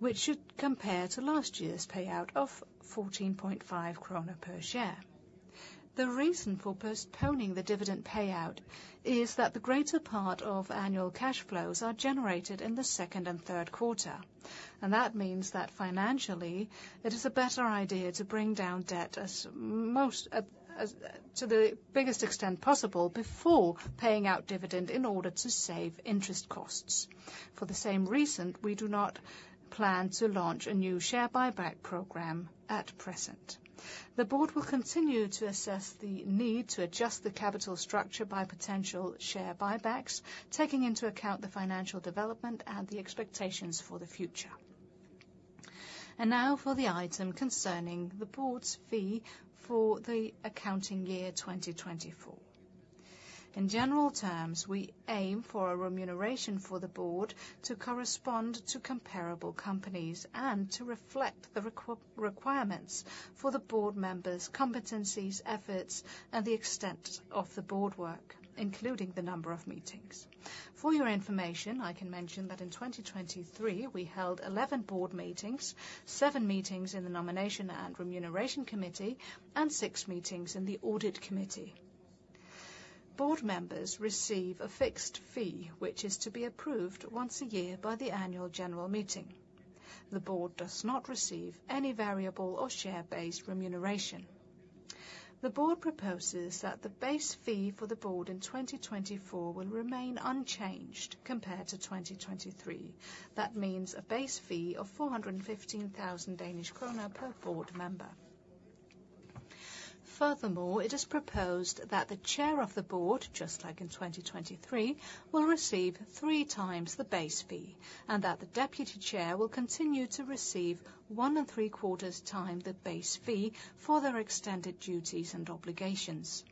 which should compare to last year's payout of 14.5 krone per share. The reason for postponing the dividend payout is that the greater part of annual cash flows are generated in the second and third quarter, and that means that financially, it is a better idea to bring down debt to the biggest extent possible, before paying out dividend in order to save interest costs. For the same reason, we do not plan to launch a new share buyback program at present. The Board will continue to assess the need to adjust the capital structure by potential share buybacks, taking into account the financial development and the expectations for the future. And now for the item concerning the Board's fee for the accounting year 2024. In general terms, we aim for a remuneration for the Board to correspond to comparable companies and to reflect the requirements for the board members' competencies, efforts, and the extent of the board work, including the number of meetings. For your information, I can mention that in 2023, we held 11 board meetings, 7 meetings in the Nomination and Remuneration Committee, and 6 meetings in the Audit Committee. Board members receive a fixed fee, which is to be approved once a year by the annual general meeting. The Board does not receive any variable or share-based remuneration. The board proposes that the base fee for the board in 2024 will remain unchanged compared to 2023. That means a base fee of 415,000 Danish kroner per board member. Furthermore, it is proposed that the Chair of the Board, just like in 2023, will receive 3 times the base fee, and that the deputy chair will continue to receive 1.75 times the base fee for their extended duties and obligations.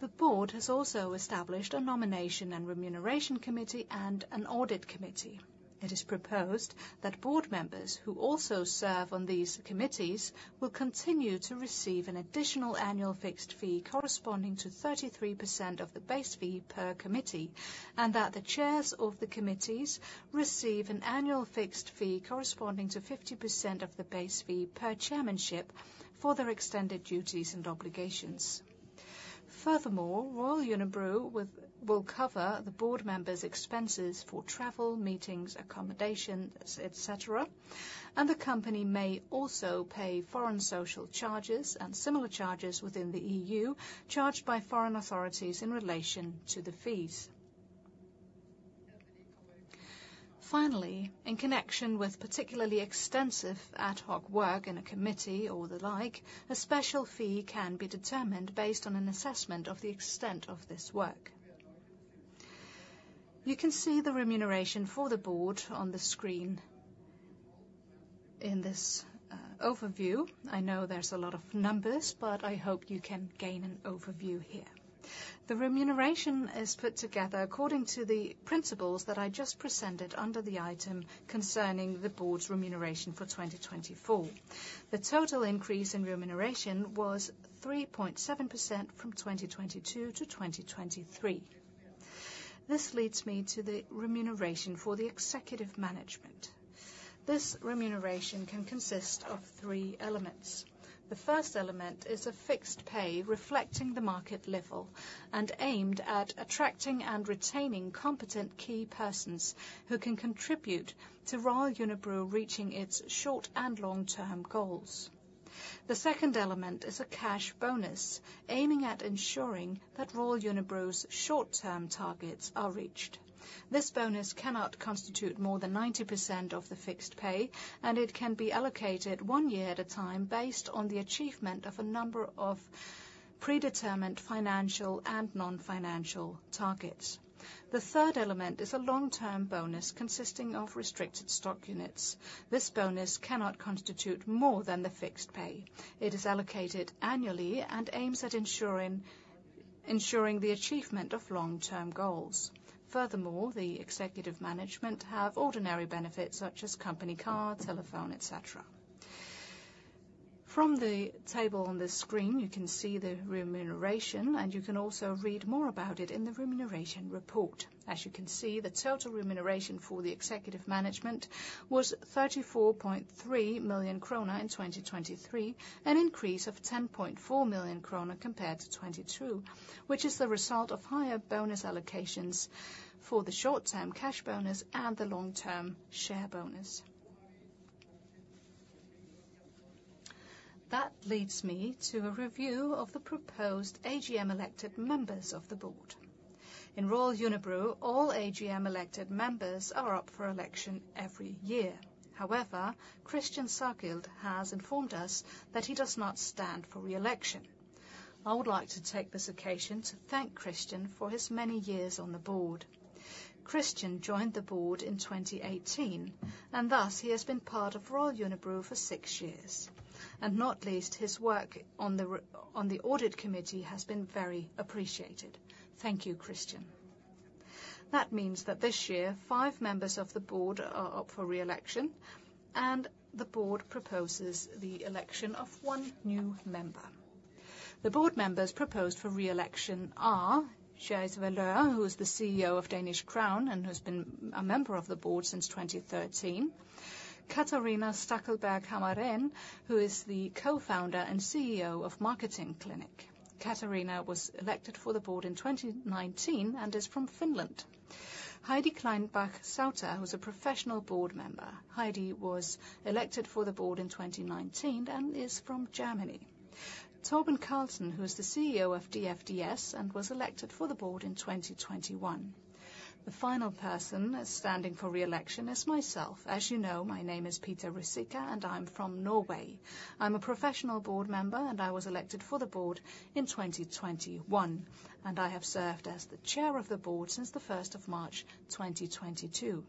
The board has also established a nomination and remuneration committee and an audit committee. It is proposed that board members who also serve on these committees will continue to receive an additional annual fixed fee corresponding to 33% of the base fee per committee, and that the chairs of the committees receive an annual fixed fee corresponding to 50% of the base fee per chairmanship, for their extended duties and obligations. Furthermore, Royal Unibrew will cover the board members' expenses for travel, meetings, accommodations, et cetera, and the company may also pay foreign social charges and similar charges within the EU, charged by foreign authorities in relation to the fees. Finally, in connection with particularly extensive ad hoc work in a committee or the like, a special fee can be determined based on an assessment of the extent of this work. You can see the remuneration for the board on the screen in this overview. I know there's a lot of numbers, but I hope you can gain an overview here. The remuneration is put together according to the principles that I just presented under the item concerning the board's remuneration for 2024. The total increase in remuneration was 3.7% from 2022 to 2023. This leads me to the remuneration for the executive management. This remuneration can consist of three elements. The first element is a fixed pay, reflecting the market level, and aimed at attracting and retaining competent key persons, who can contribute to Royal Unibrew reaching its short- and long-term goals. The second element is a cash bonus, aiming at ensuring that Royal Unibrew's short-term targets are reached. This bonus cannot constitute more than 90% of the fixed pay, and it can be allocated one year at a time, based on the achievement of a number of predetermined financial and non-financial targets. The third element is a long-term bonus consisting of restricted stock units. This bonus cannot constitute more than the fixed pay. It is allocated annually and aims at ensuring the achievement of long-term goals. Furthermore, the executive management have ordinary benefits such as company car, telephone, et cetera. From the table on the screen, you can see the remuneration, and you can also read more about it in the remuneration report. As you can see, the total remuneration for the executive management was 34.3 million kroner in 2023, an increase of 10.4 million kroner compared to 2022, which is the result of higher bonus allocations for the short-term cash bonus and the long-term share bonus. That leads me to a review of the proposed AGM-elected members of the board. In Royal Unibrew, all AGM-elected members are up for election every year. However, Christian Sagild has informed us that he does not stand for re-election. I would like to take this occasion to thank Christian for his many years on the board. Christian joined the board in 2018, and thus, he has been part of Royal Unibrew for six years, and not least, his work on the audit committee has been very appreciated. Thank you, Christian. That means that this year, five members of the board are up for re-election, and the board proposes the election of one new member. The board members proposed for re-election are: Jais Valeur, who is the CEO of Danish Crown and has been a member of the board since 2013. Catharina Stackelberg-Hammarén, who is the co-founder and CEO of Marketing Clinic. Catharina was elected for the board in 2019 and is from Finland. Heidi Kleinbach-Sauter, who's a professional board member. Heidi was elected for the board in 2019 and is from Germany. Torben Carlsen, who is the CEO of DFDS and was elected for the board in 2021. The final person standing for re-election is myself. As you know, my name is Peter Ruzicka, and I'm from Norway. I'm a professional board member, and I was elected for the board in 2021, and I have served as the Chair of the Board since the first of March 2022.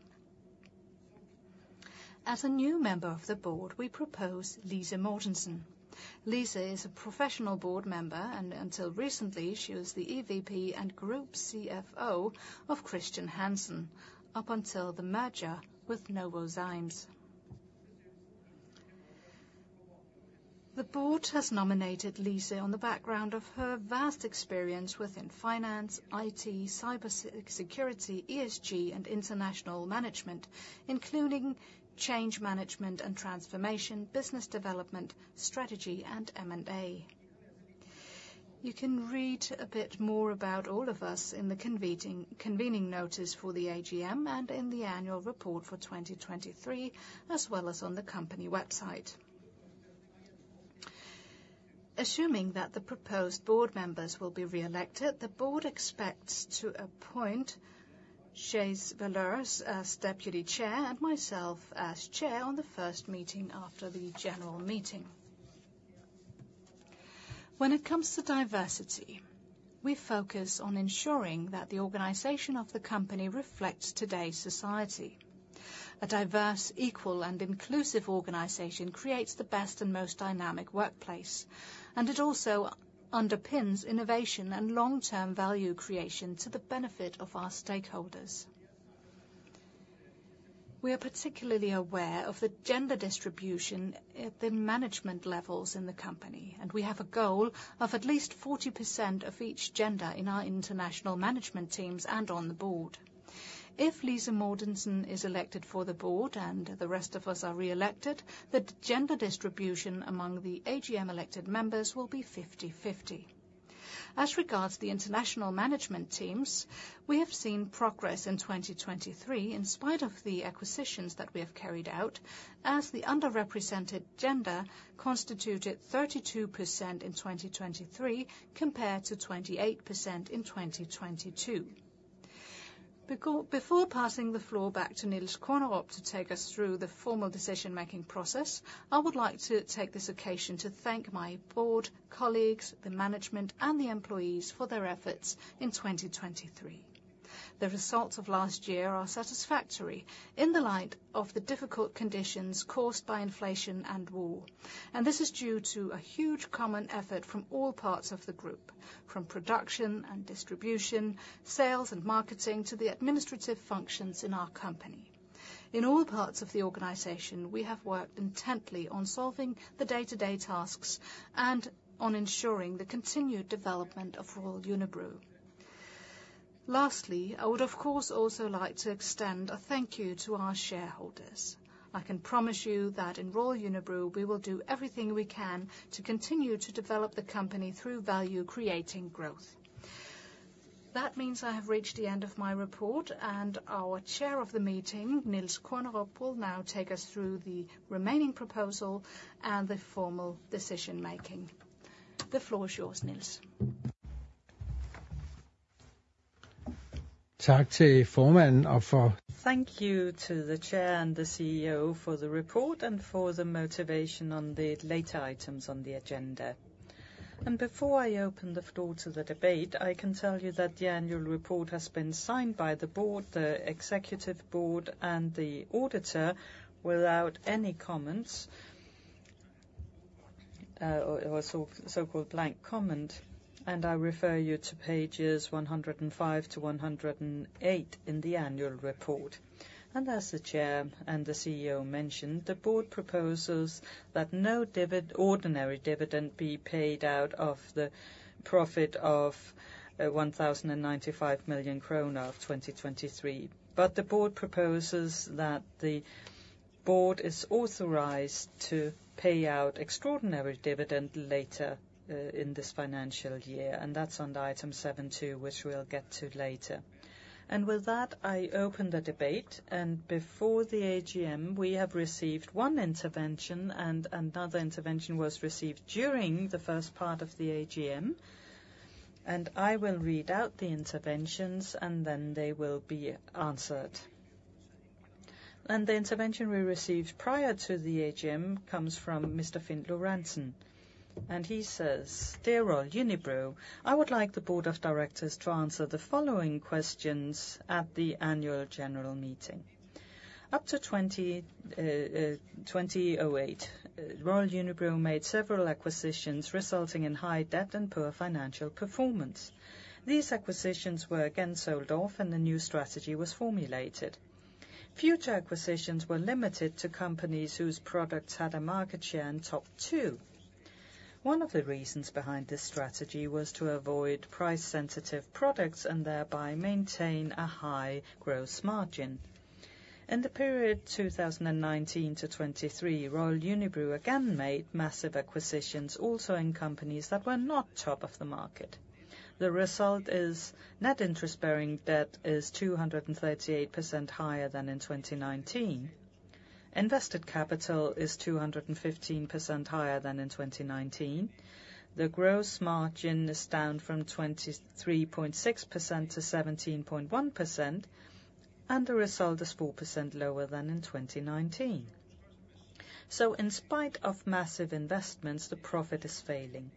As a new member of the board, we propose Lise Mortensen. Lise is a professional board member, and until recently, she was the EVP and Group CFO of Chr. Hansen, up until the merger with Novozymes. The board has nominated Lise on the background of her vast experience within finance, IT, cyber security, ESG, and international management, including change management and transformation, business development, strategy, and M&A. You can read a bit more about all of us in the convening notice for the AGM and in the annual report for 2023, as well as on the company website. Assuming that the proposed board members will be re-elected, the board expects to appoint Jais Valeur as Deputy Chair, and myself as Chair on the first meeting after the general meeting. When it comes to diversity, we focus on ensuring that the organization of the company reflects today's society. A diverse, equal, and inclusive organization creates the best and most dynamic workplace, and it also underpins innovation and long-term value creation to the benefit of our stakeholders. We are particularly aware of the gender distribution at the management levels in the company, and we have a goal of at least 40% of each gender in our international management teams and on the board. If Lise Mortensen is elected for the board and the rest of us are re-elected, the gender distribution among the AGM elected members will be 50/50. As regards to the international management teams, we have seen progress in 2023, in spite of the acquisitions that we have carried out, as the underrepresented gender constituted 32% in 2023, compared to 28% in 2022. Before passing the floor back to Niels Kornerup to take us through the formal decision-making process, I would like to take this occasion to thank my board colleagues, the management, and the employees for their efforts in 2023. The results of last year are satisfactory in the light of the difficult conditions caused by inflation and war, and this is due to a huge common effort from all parts of the group, from production and distribution, sales and marketing, to the administrative functions in our company. In all parts of the organization, we have worked intently on solving the day-to-day tasks and on ensuring the continued development of Royal Unibrew. Lastly, I would, of course, also like to extend a thank you to our shareholders. I can promise you that in Royal Unibrew, we will do everything we can to continue to develop the company through value-creating growth. That means I have reached the end of my report, and our chair of the meeting, Niels Kornerup, will now take us through the remaining proposal and the formal decision making. The floor is yours, Niels. Thank you to the chair and the CEO for the report and for the motivation on the later items on the agenda. Before I open the floor to the debate, I can tell you that the annual report has been signed by the board, the executive board, and the auditor, without any comments, or so-called blank comment, and I refer you to pages 105-108 in the annual report. As the chair and the CEO mentioned, the board proposes that no ordinary dividend be paid out of the profit of 1,095 million kroner of 2023. The board proposes that the board is authorized to pay out extraordinary dividend later in this financial year, and that's under item 7.2, which we'll get to later. With that, I open the debate, and before the AGM, we have received one intervention, and another intervention was received during the first part of the AGM, and I will read out the interventions, and then they will be answered. The intervention we received prior to the AGM comes from Mr. Finn Lorenzen, and he says, "Dear Royal Unibrew, I would like the Board of Directors to answer the following questions at the annual general meeting. Up to 2008, Royal Unibrew made several acquisitions, resulting in high debt and poor financial performance. These acquisitions were again sold off, and a new strategy was formulated. Future acquisitions were limited to companies whose products had a market share in top two. One of the reasons behind this strategy was to avoid price-sensitive products and thereby maintain a high gross margin. In the period 2019 to 2023, Royal Unibrew again made massive acquisitions, also in companies that were not top of the market. The result is net interest-bearing debt is 238% higher than in 2019. Invested capital is 215% higher than in 2019. The gross margin is down from 23.6% to 17.1%, and the result is 4% lower than in 2019. So in spite of massive investments, the profit is failing.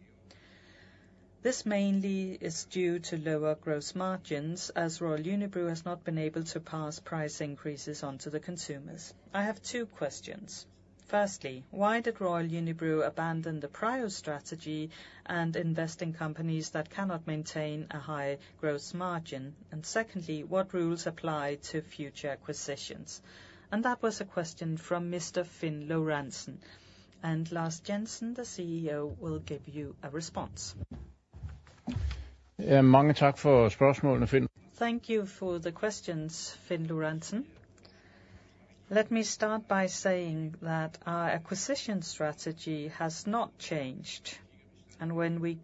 This mainly is due to lower gross margins, as Royal Unibrew has not been able to pass price increases on to the consumers. I have two questions. Firstly, why did Royal Unibrew abandon the prior strategy and invest in companies that cannot maintain a high gross margin? And secondly, what rules apply to future acquisitions?" That was a question from Mr. Finn Lorenzen, and Lars Jensen, the CEO, will give you a response. Thank you for the questions, Finn Lorenzen.Let me start by saying that our acquisition strategy has not changed, and when we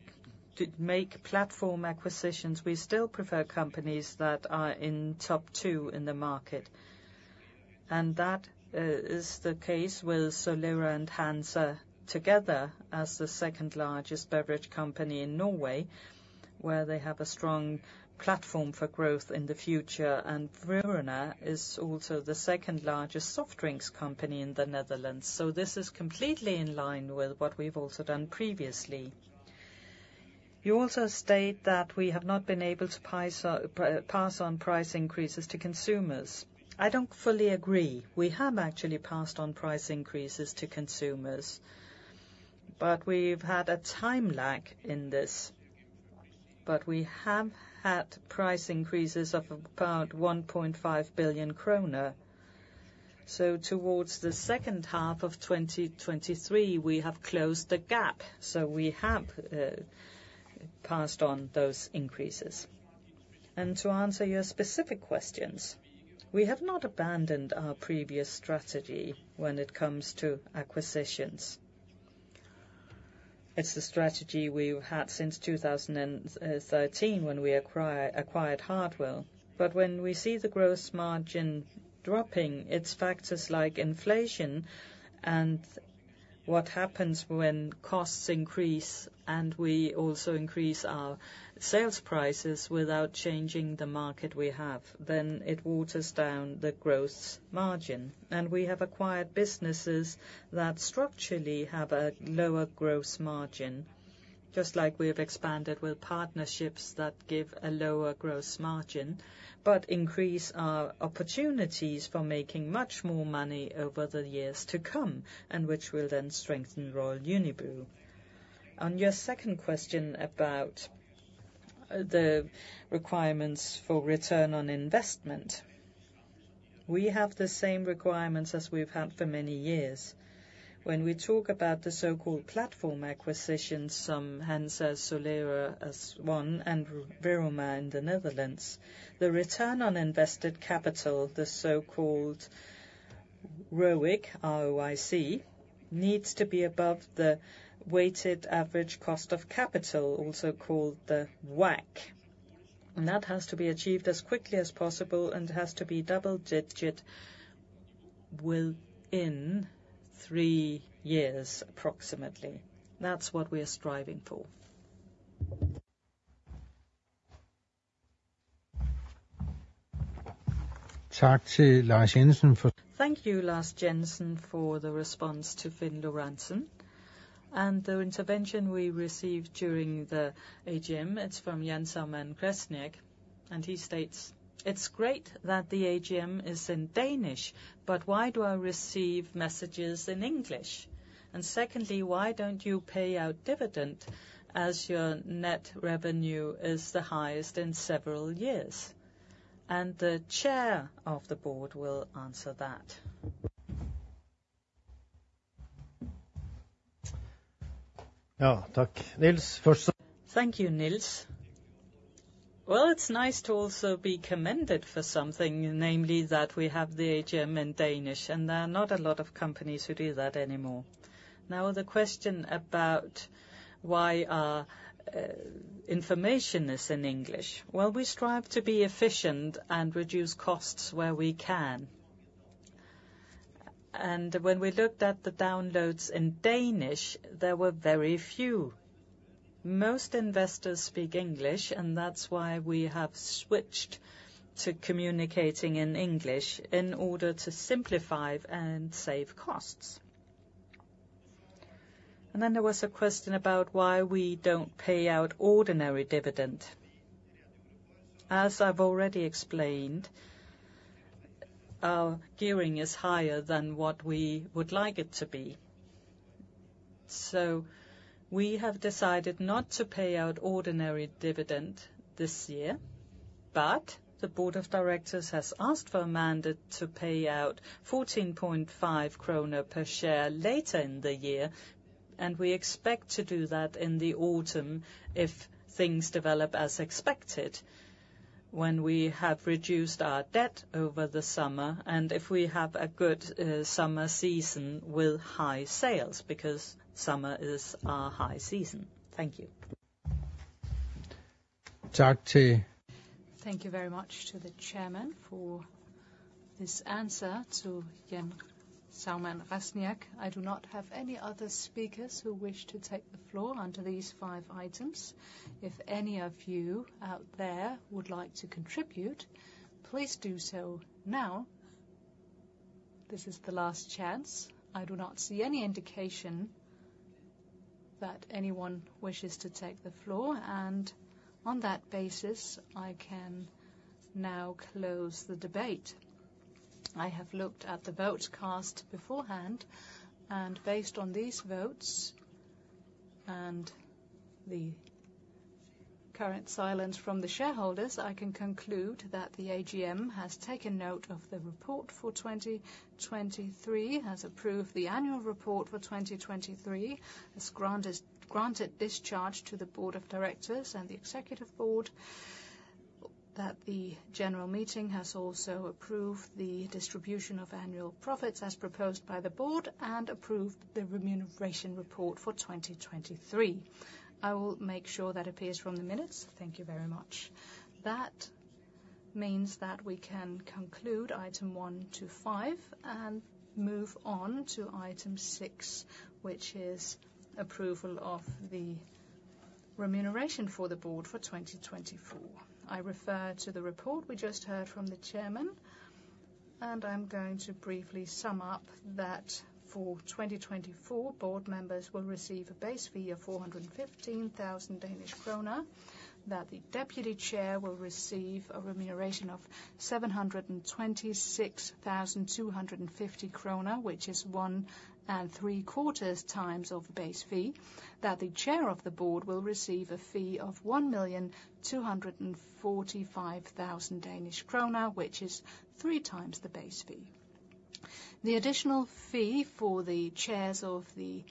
make platform acquisitions, we still prefer companies that are in top two in the market. And that is the case with Solera and Hansa together as the second-largest beverage company in Norway, where they have a strong platform for growth in the future, and Vrumona is also the second-largest soft drinks company in the Netherlands. So this is completely in line with what we've also done previously. You also state that we have not been able to price pass on price increases to consumers. I don't fully agree. We have actually passed on price increases to consumers, but we've had a time lag in this, but we have had price increases of about 1.5 billion kroner. So towards the second half of 2023, we have closed the gap, so we have passed on those increases. And to answer your specific questions, we have not abandoned our previous strategy when it comes to acquisitions. It's the strategy we've had since 2013, when we acquired Hartwall. But when we see the gross margin dropping, it's factors like inflation and what happens when costs increase, and we also increase our sales prices without changing the market we have, then it waters down the gross margin. And we have acquired businesses that structurally have a lower gross margin, just like we have expanded with partnerships that give a lower gross margin, but increase our opportunities for making much more money over the years to come, and which will then strengthen Royal Unibrew. On your second question about the requirements for return on investment, we have the same requirements as we've had for many years. When we talk about the so-called platform acquisitions, from Hansa, Solera as one, and Vrumona in the Netherlands, the return on invested capital, the so-called ROIC, R-O-I-C, needs to be above the weighted average cost of capital, also called the WACC. And that has to be achieved as quickly as possible and has to be double digit within three years, approximately. That's what we are striving for. Thank you, Lars Jensen, for the response to Finn Lorenzen. The intervention we received during the AGM, it's from Jan Salmand Kresnik, and he states: It's great that the AGM is in Danish, but why do I receive messages in English? And secondly, why don't you pay out dividend as your net revenue is the highest in several years? And the Chair of the Board will answer that. Thank you, Niels. Well, it's nice to also be commended for something, namely that we have the AGM in Danish, and there are not a lot of companies who do that anymore. Now, the question about why our information is in English. Well, we strive to be efficient and reduce costs where we can. And when we looked at the downloads in Danish, there were very few. Most investors speak English, and that's why we have switched to communicating in English in order to simplify and save costs. And then there was a question about why we don't pay out ordinary dividend. As I've already explained, our gearing is higher than what we would like it to be. We have decided not to pay out ordinary dividend this year, but the Board of Directors has asked for a mandate to pay out 14.5 krone per share later in the year, and we expect to do that in the autumn if things develop as expected, when we have reduced our debt over the summer, and if we have a good summer season with high sales, because summer is our high season. Thank you. Thank you very much to the chairman for this answer to Jan Salmand Kresnik. I do not have any other speakers who wish to take the floor under these five items. If any of you out there would like to contribute, please do so now. This is the last chance. I do not see any indication that anyone wishes to take the floor, and on that basis, I can now close the debate. I have looked at the votes cast beforehand, and based on these votes and the current silence from the shareholders, I can conclude that the AGM has taken note of the report for 2023, has approved the annual report for 2023, has granted discharge to the Board of Directors and the executive board. ... that the general meeting has also approved the distribution of annual profits as proposed by the Board, and approved the remuneration report for 2023. I will make sure that appears from the minutes. Thank you very much. That means that we can conclude item one to five, and move on to item six, which is approval of the remuneration for the Board for 2024. I refer to the report we just heard from the Chairman, and I'm going to briefly sum up that for 2024, Board members will receive a base fee of 415,000 Danish kroner. That the Deputy Chair will receive a remuneration of 726,250 krone, which is 1.75 times of base fee. That the Chair of the Board will receive a fee of 1,245,000 Danish krone, which is three times the base fee. The additional fee for the chairs of the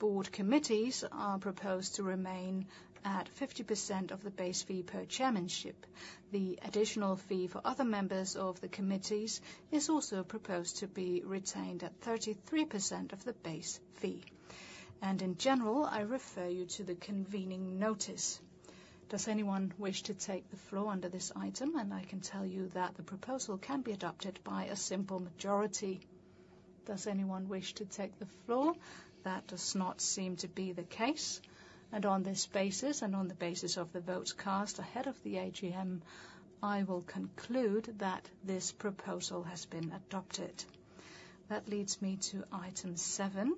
board committees are proposed to remain at 50% of the base fee per chairmanship. The additional fee for other members of the committees is also proposed to be retained at 33% of the base fee. In general, I refer you to the convening notice. Does anyone wish to take the floor under this item? I can tell you that the proposal can be adopted by a simple majority. Does anyone wish to take the floor? That does not seem to be the case, and on this basis, and on the basis of the votes cast ahead of the AGM, I will conclude that this proposal has been adopted. That leads me to item 7.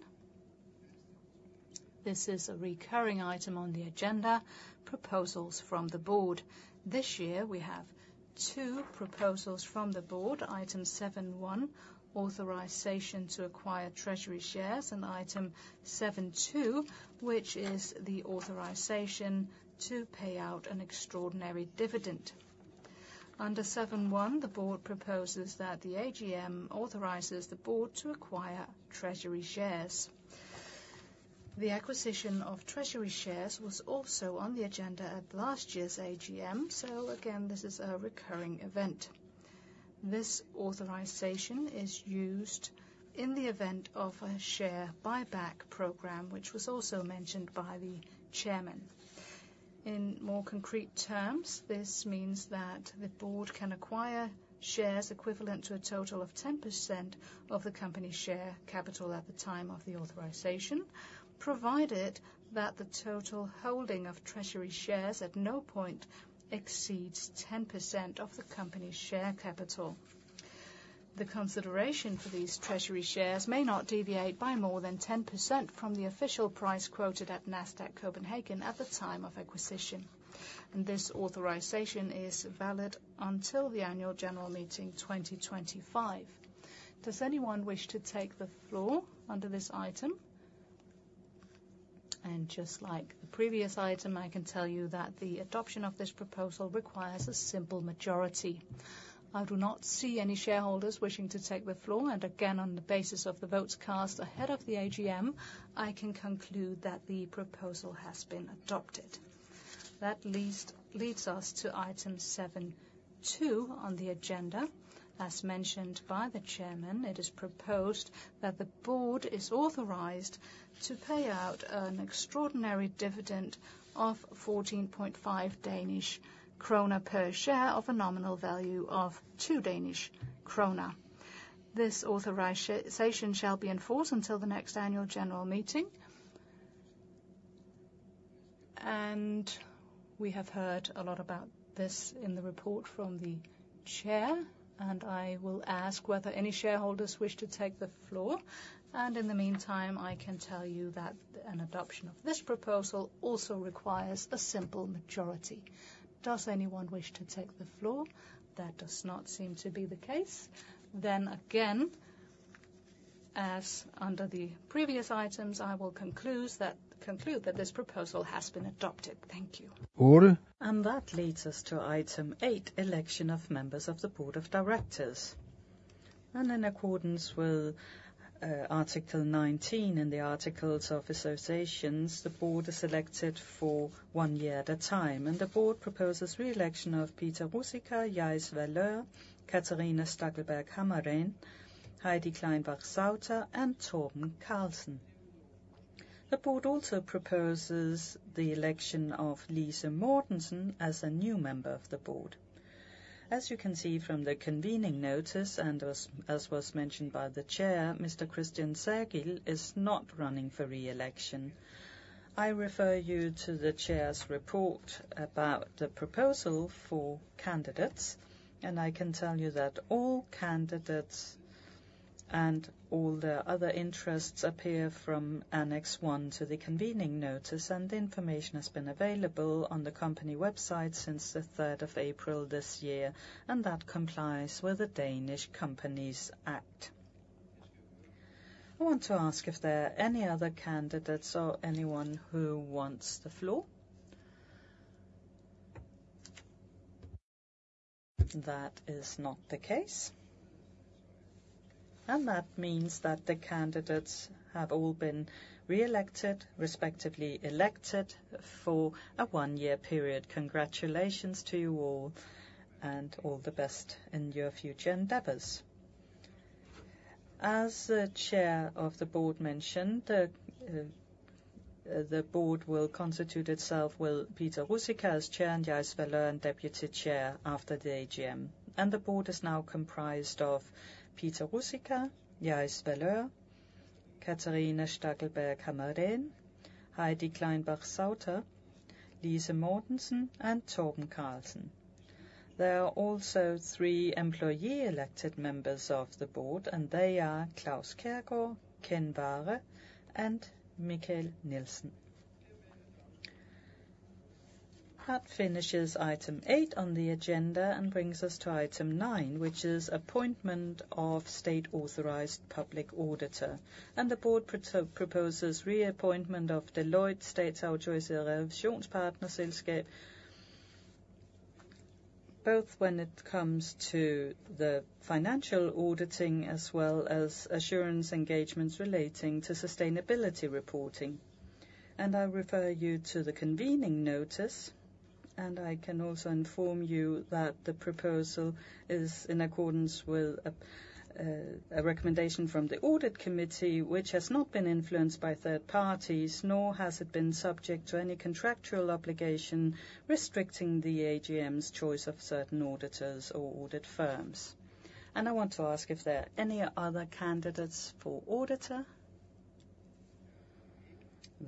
This is a recurring item on the agenda, proposals from the Board. This year we have two proposals from the Board. Item 7.1, authorization to acquire treasury shares, and item 7.2, which is the authorization to pay out an extraordinary dividend. Under 7.1, the Board proposes that the AGM authorizes the Board to acquire treasury shares. The acquisition of treasury shares was also on the agenda at last year's AGM, so again, this is a recurring event. This authorization is used in the event of a share buyback program, which was also mentioned by the Chairman. In more concrete terms, this means that the board can acquire shares equivalent to a total of 10% of the company's share capital at the time of the authorization, provided that the total holding of treasury shares at no point exceeds 10% of the company's share capital. The consideration for these treasury shares may not deviate by more than 10% from the official price quoted at Nasdaq Copenhagen at the time of acquisition, and this authorization is valid until the annual general meeting 2025. Does anyone wish to take the floor under this item? And just like the previous item, I can tell you that the adoption of this proposal requires a simple majority. I do not see any shareholders wishing to take the floor, and again, on the basis of the votes cast ahead of the AGM, I can conclude that the proposal has been adopted. That leads us to item 7.2 on the agenda. As mentioned by the chairman, it is proposed that the board is authorized to pay out an extraordinary dividend of 14.5 Danish krone per share of a nominal value of 2 Danish krone. This authorization shall be in force until the next annual general meeting. We have heard a lot about this in the report from the chair, and I will ask whether any shareholders wish to take the floor. In the meantime, I can tell you that an adoption of this proposal also requires a simple majority. Does anyone wish to take the floor? That does not seem to be the case. Then again, as under the previous items, I will conclude that this proposal has been adopted. Thank you. That leads us to item 8: election of members of the Board of Directors. In accordance with article 19 in the Articles of Association, the board is elected for 1 year at a time, and the board proposes re-election of Peter Ruzicka, Jais Valeur, Catharina Stackelberg-Hammarén, Heidi Kleinbach-Sauter, and Torben Carlsen. The board also proposes the election of Lise Mortensen as a new member of the board. As you can see from the convening notice, and as was mentioned by the chair, Mr. Christian Sagild is not running for re-election. I refer you to the chair's report about the proposal for candidates, and I can tell you that all candidates and all their other interests appear from Annex 1 to the convening notice, and the information has been available on the company website since the third of April this year, and that complies with the Danish Companies Act. I want to ask if there are any other candidates or anyone who wants the floor? That is not the case. That means that the candidates have all been reelected, respectively, elected for a 1-year period. Congratulations to you all, and all the best in your future endeavors. As the Chair of the Board mentioned, the board will constitute itself with Peter Ruzicka as chair, and Jais Valeur deputy chair after the AGM. And the board is now comprised of Peter Ruzicka, Jais Valeur, Catharina Stackelberg-Hammarén, Heidi Kleinbach-Sauter, Lise Mortensen, and Torben Carlsen. There are also three employee-elected members of the board, and they are Claus Kærgaard, Kenn Barre, and Michael Nielsen. That finishes item eight on the agenda and brings us to item nine, which is appointment of state-authorized public auditor. And the board proposes reappointment of Deloitte Statsautoriseret Revisionspartnerselskab, both when it comes to the financial auditing, as well as assurance engagements relating to sustainability reporting. I refer you to the convening notice, and I can also inform you that the proposal is in accordance with a recommendation from the audit committee, which has not been influenced by third parties, nor has it been subject to any contractual obligation restricting the AGM's choice of certain auditors or audit firms. I want to ask if there are any other candidates for auditor?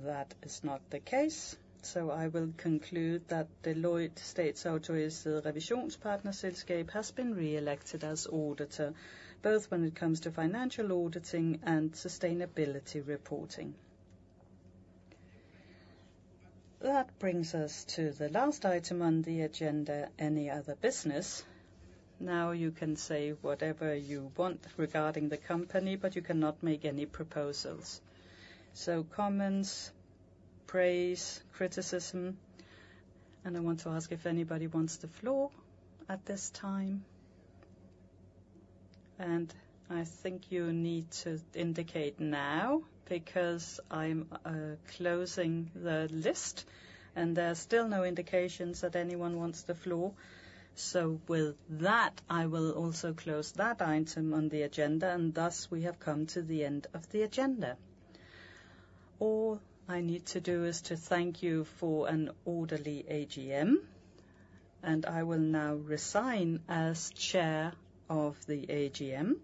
That is not the case, so I will conclude that Deloitte Statsautoriseret Revisionspartnerselskab, has been reelected as auditor, both when it comes to financial auditing and sustainability reporting. That brings us to the last item on the agenda: any other business. Now, you can say whatever you want regarding the company, but you cannot make any proposals. Comments, praise, criticism, and I want to ask if anybody wants the floor at this time. I think you need to indicate now, because I'm closing the list, and there are still no indications that anyone wants the floor. With that, I will also close that item on the agenda, and thus, we have come to the end of the agenda. All I need to do is to thank you for an orderly AGM, and I will now resign as chair of the AGM,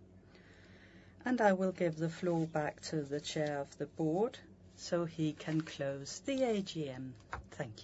and I will give the floor back to the Chair of the Board so he can close the AGM. Thank you.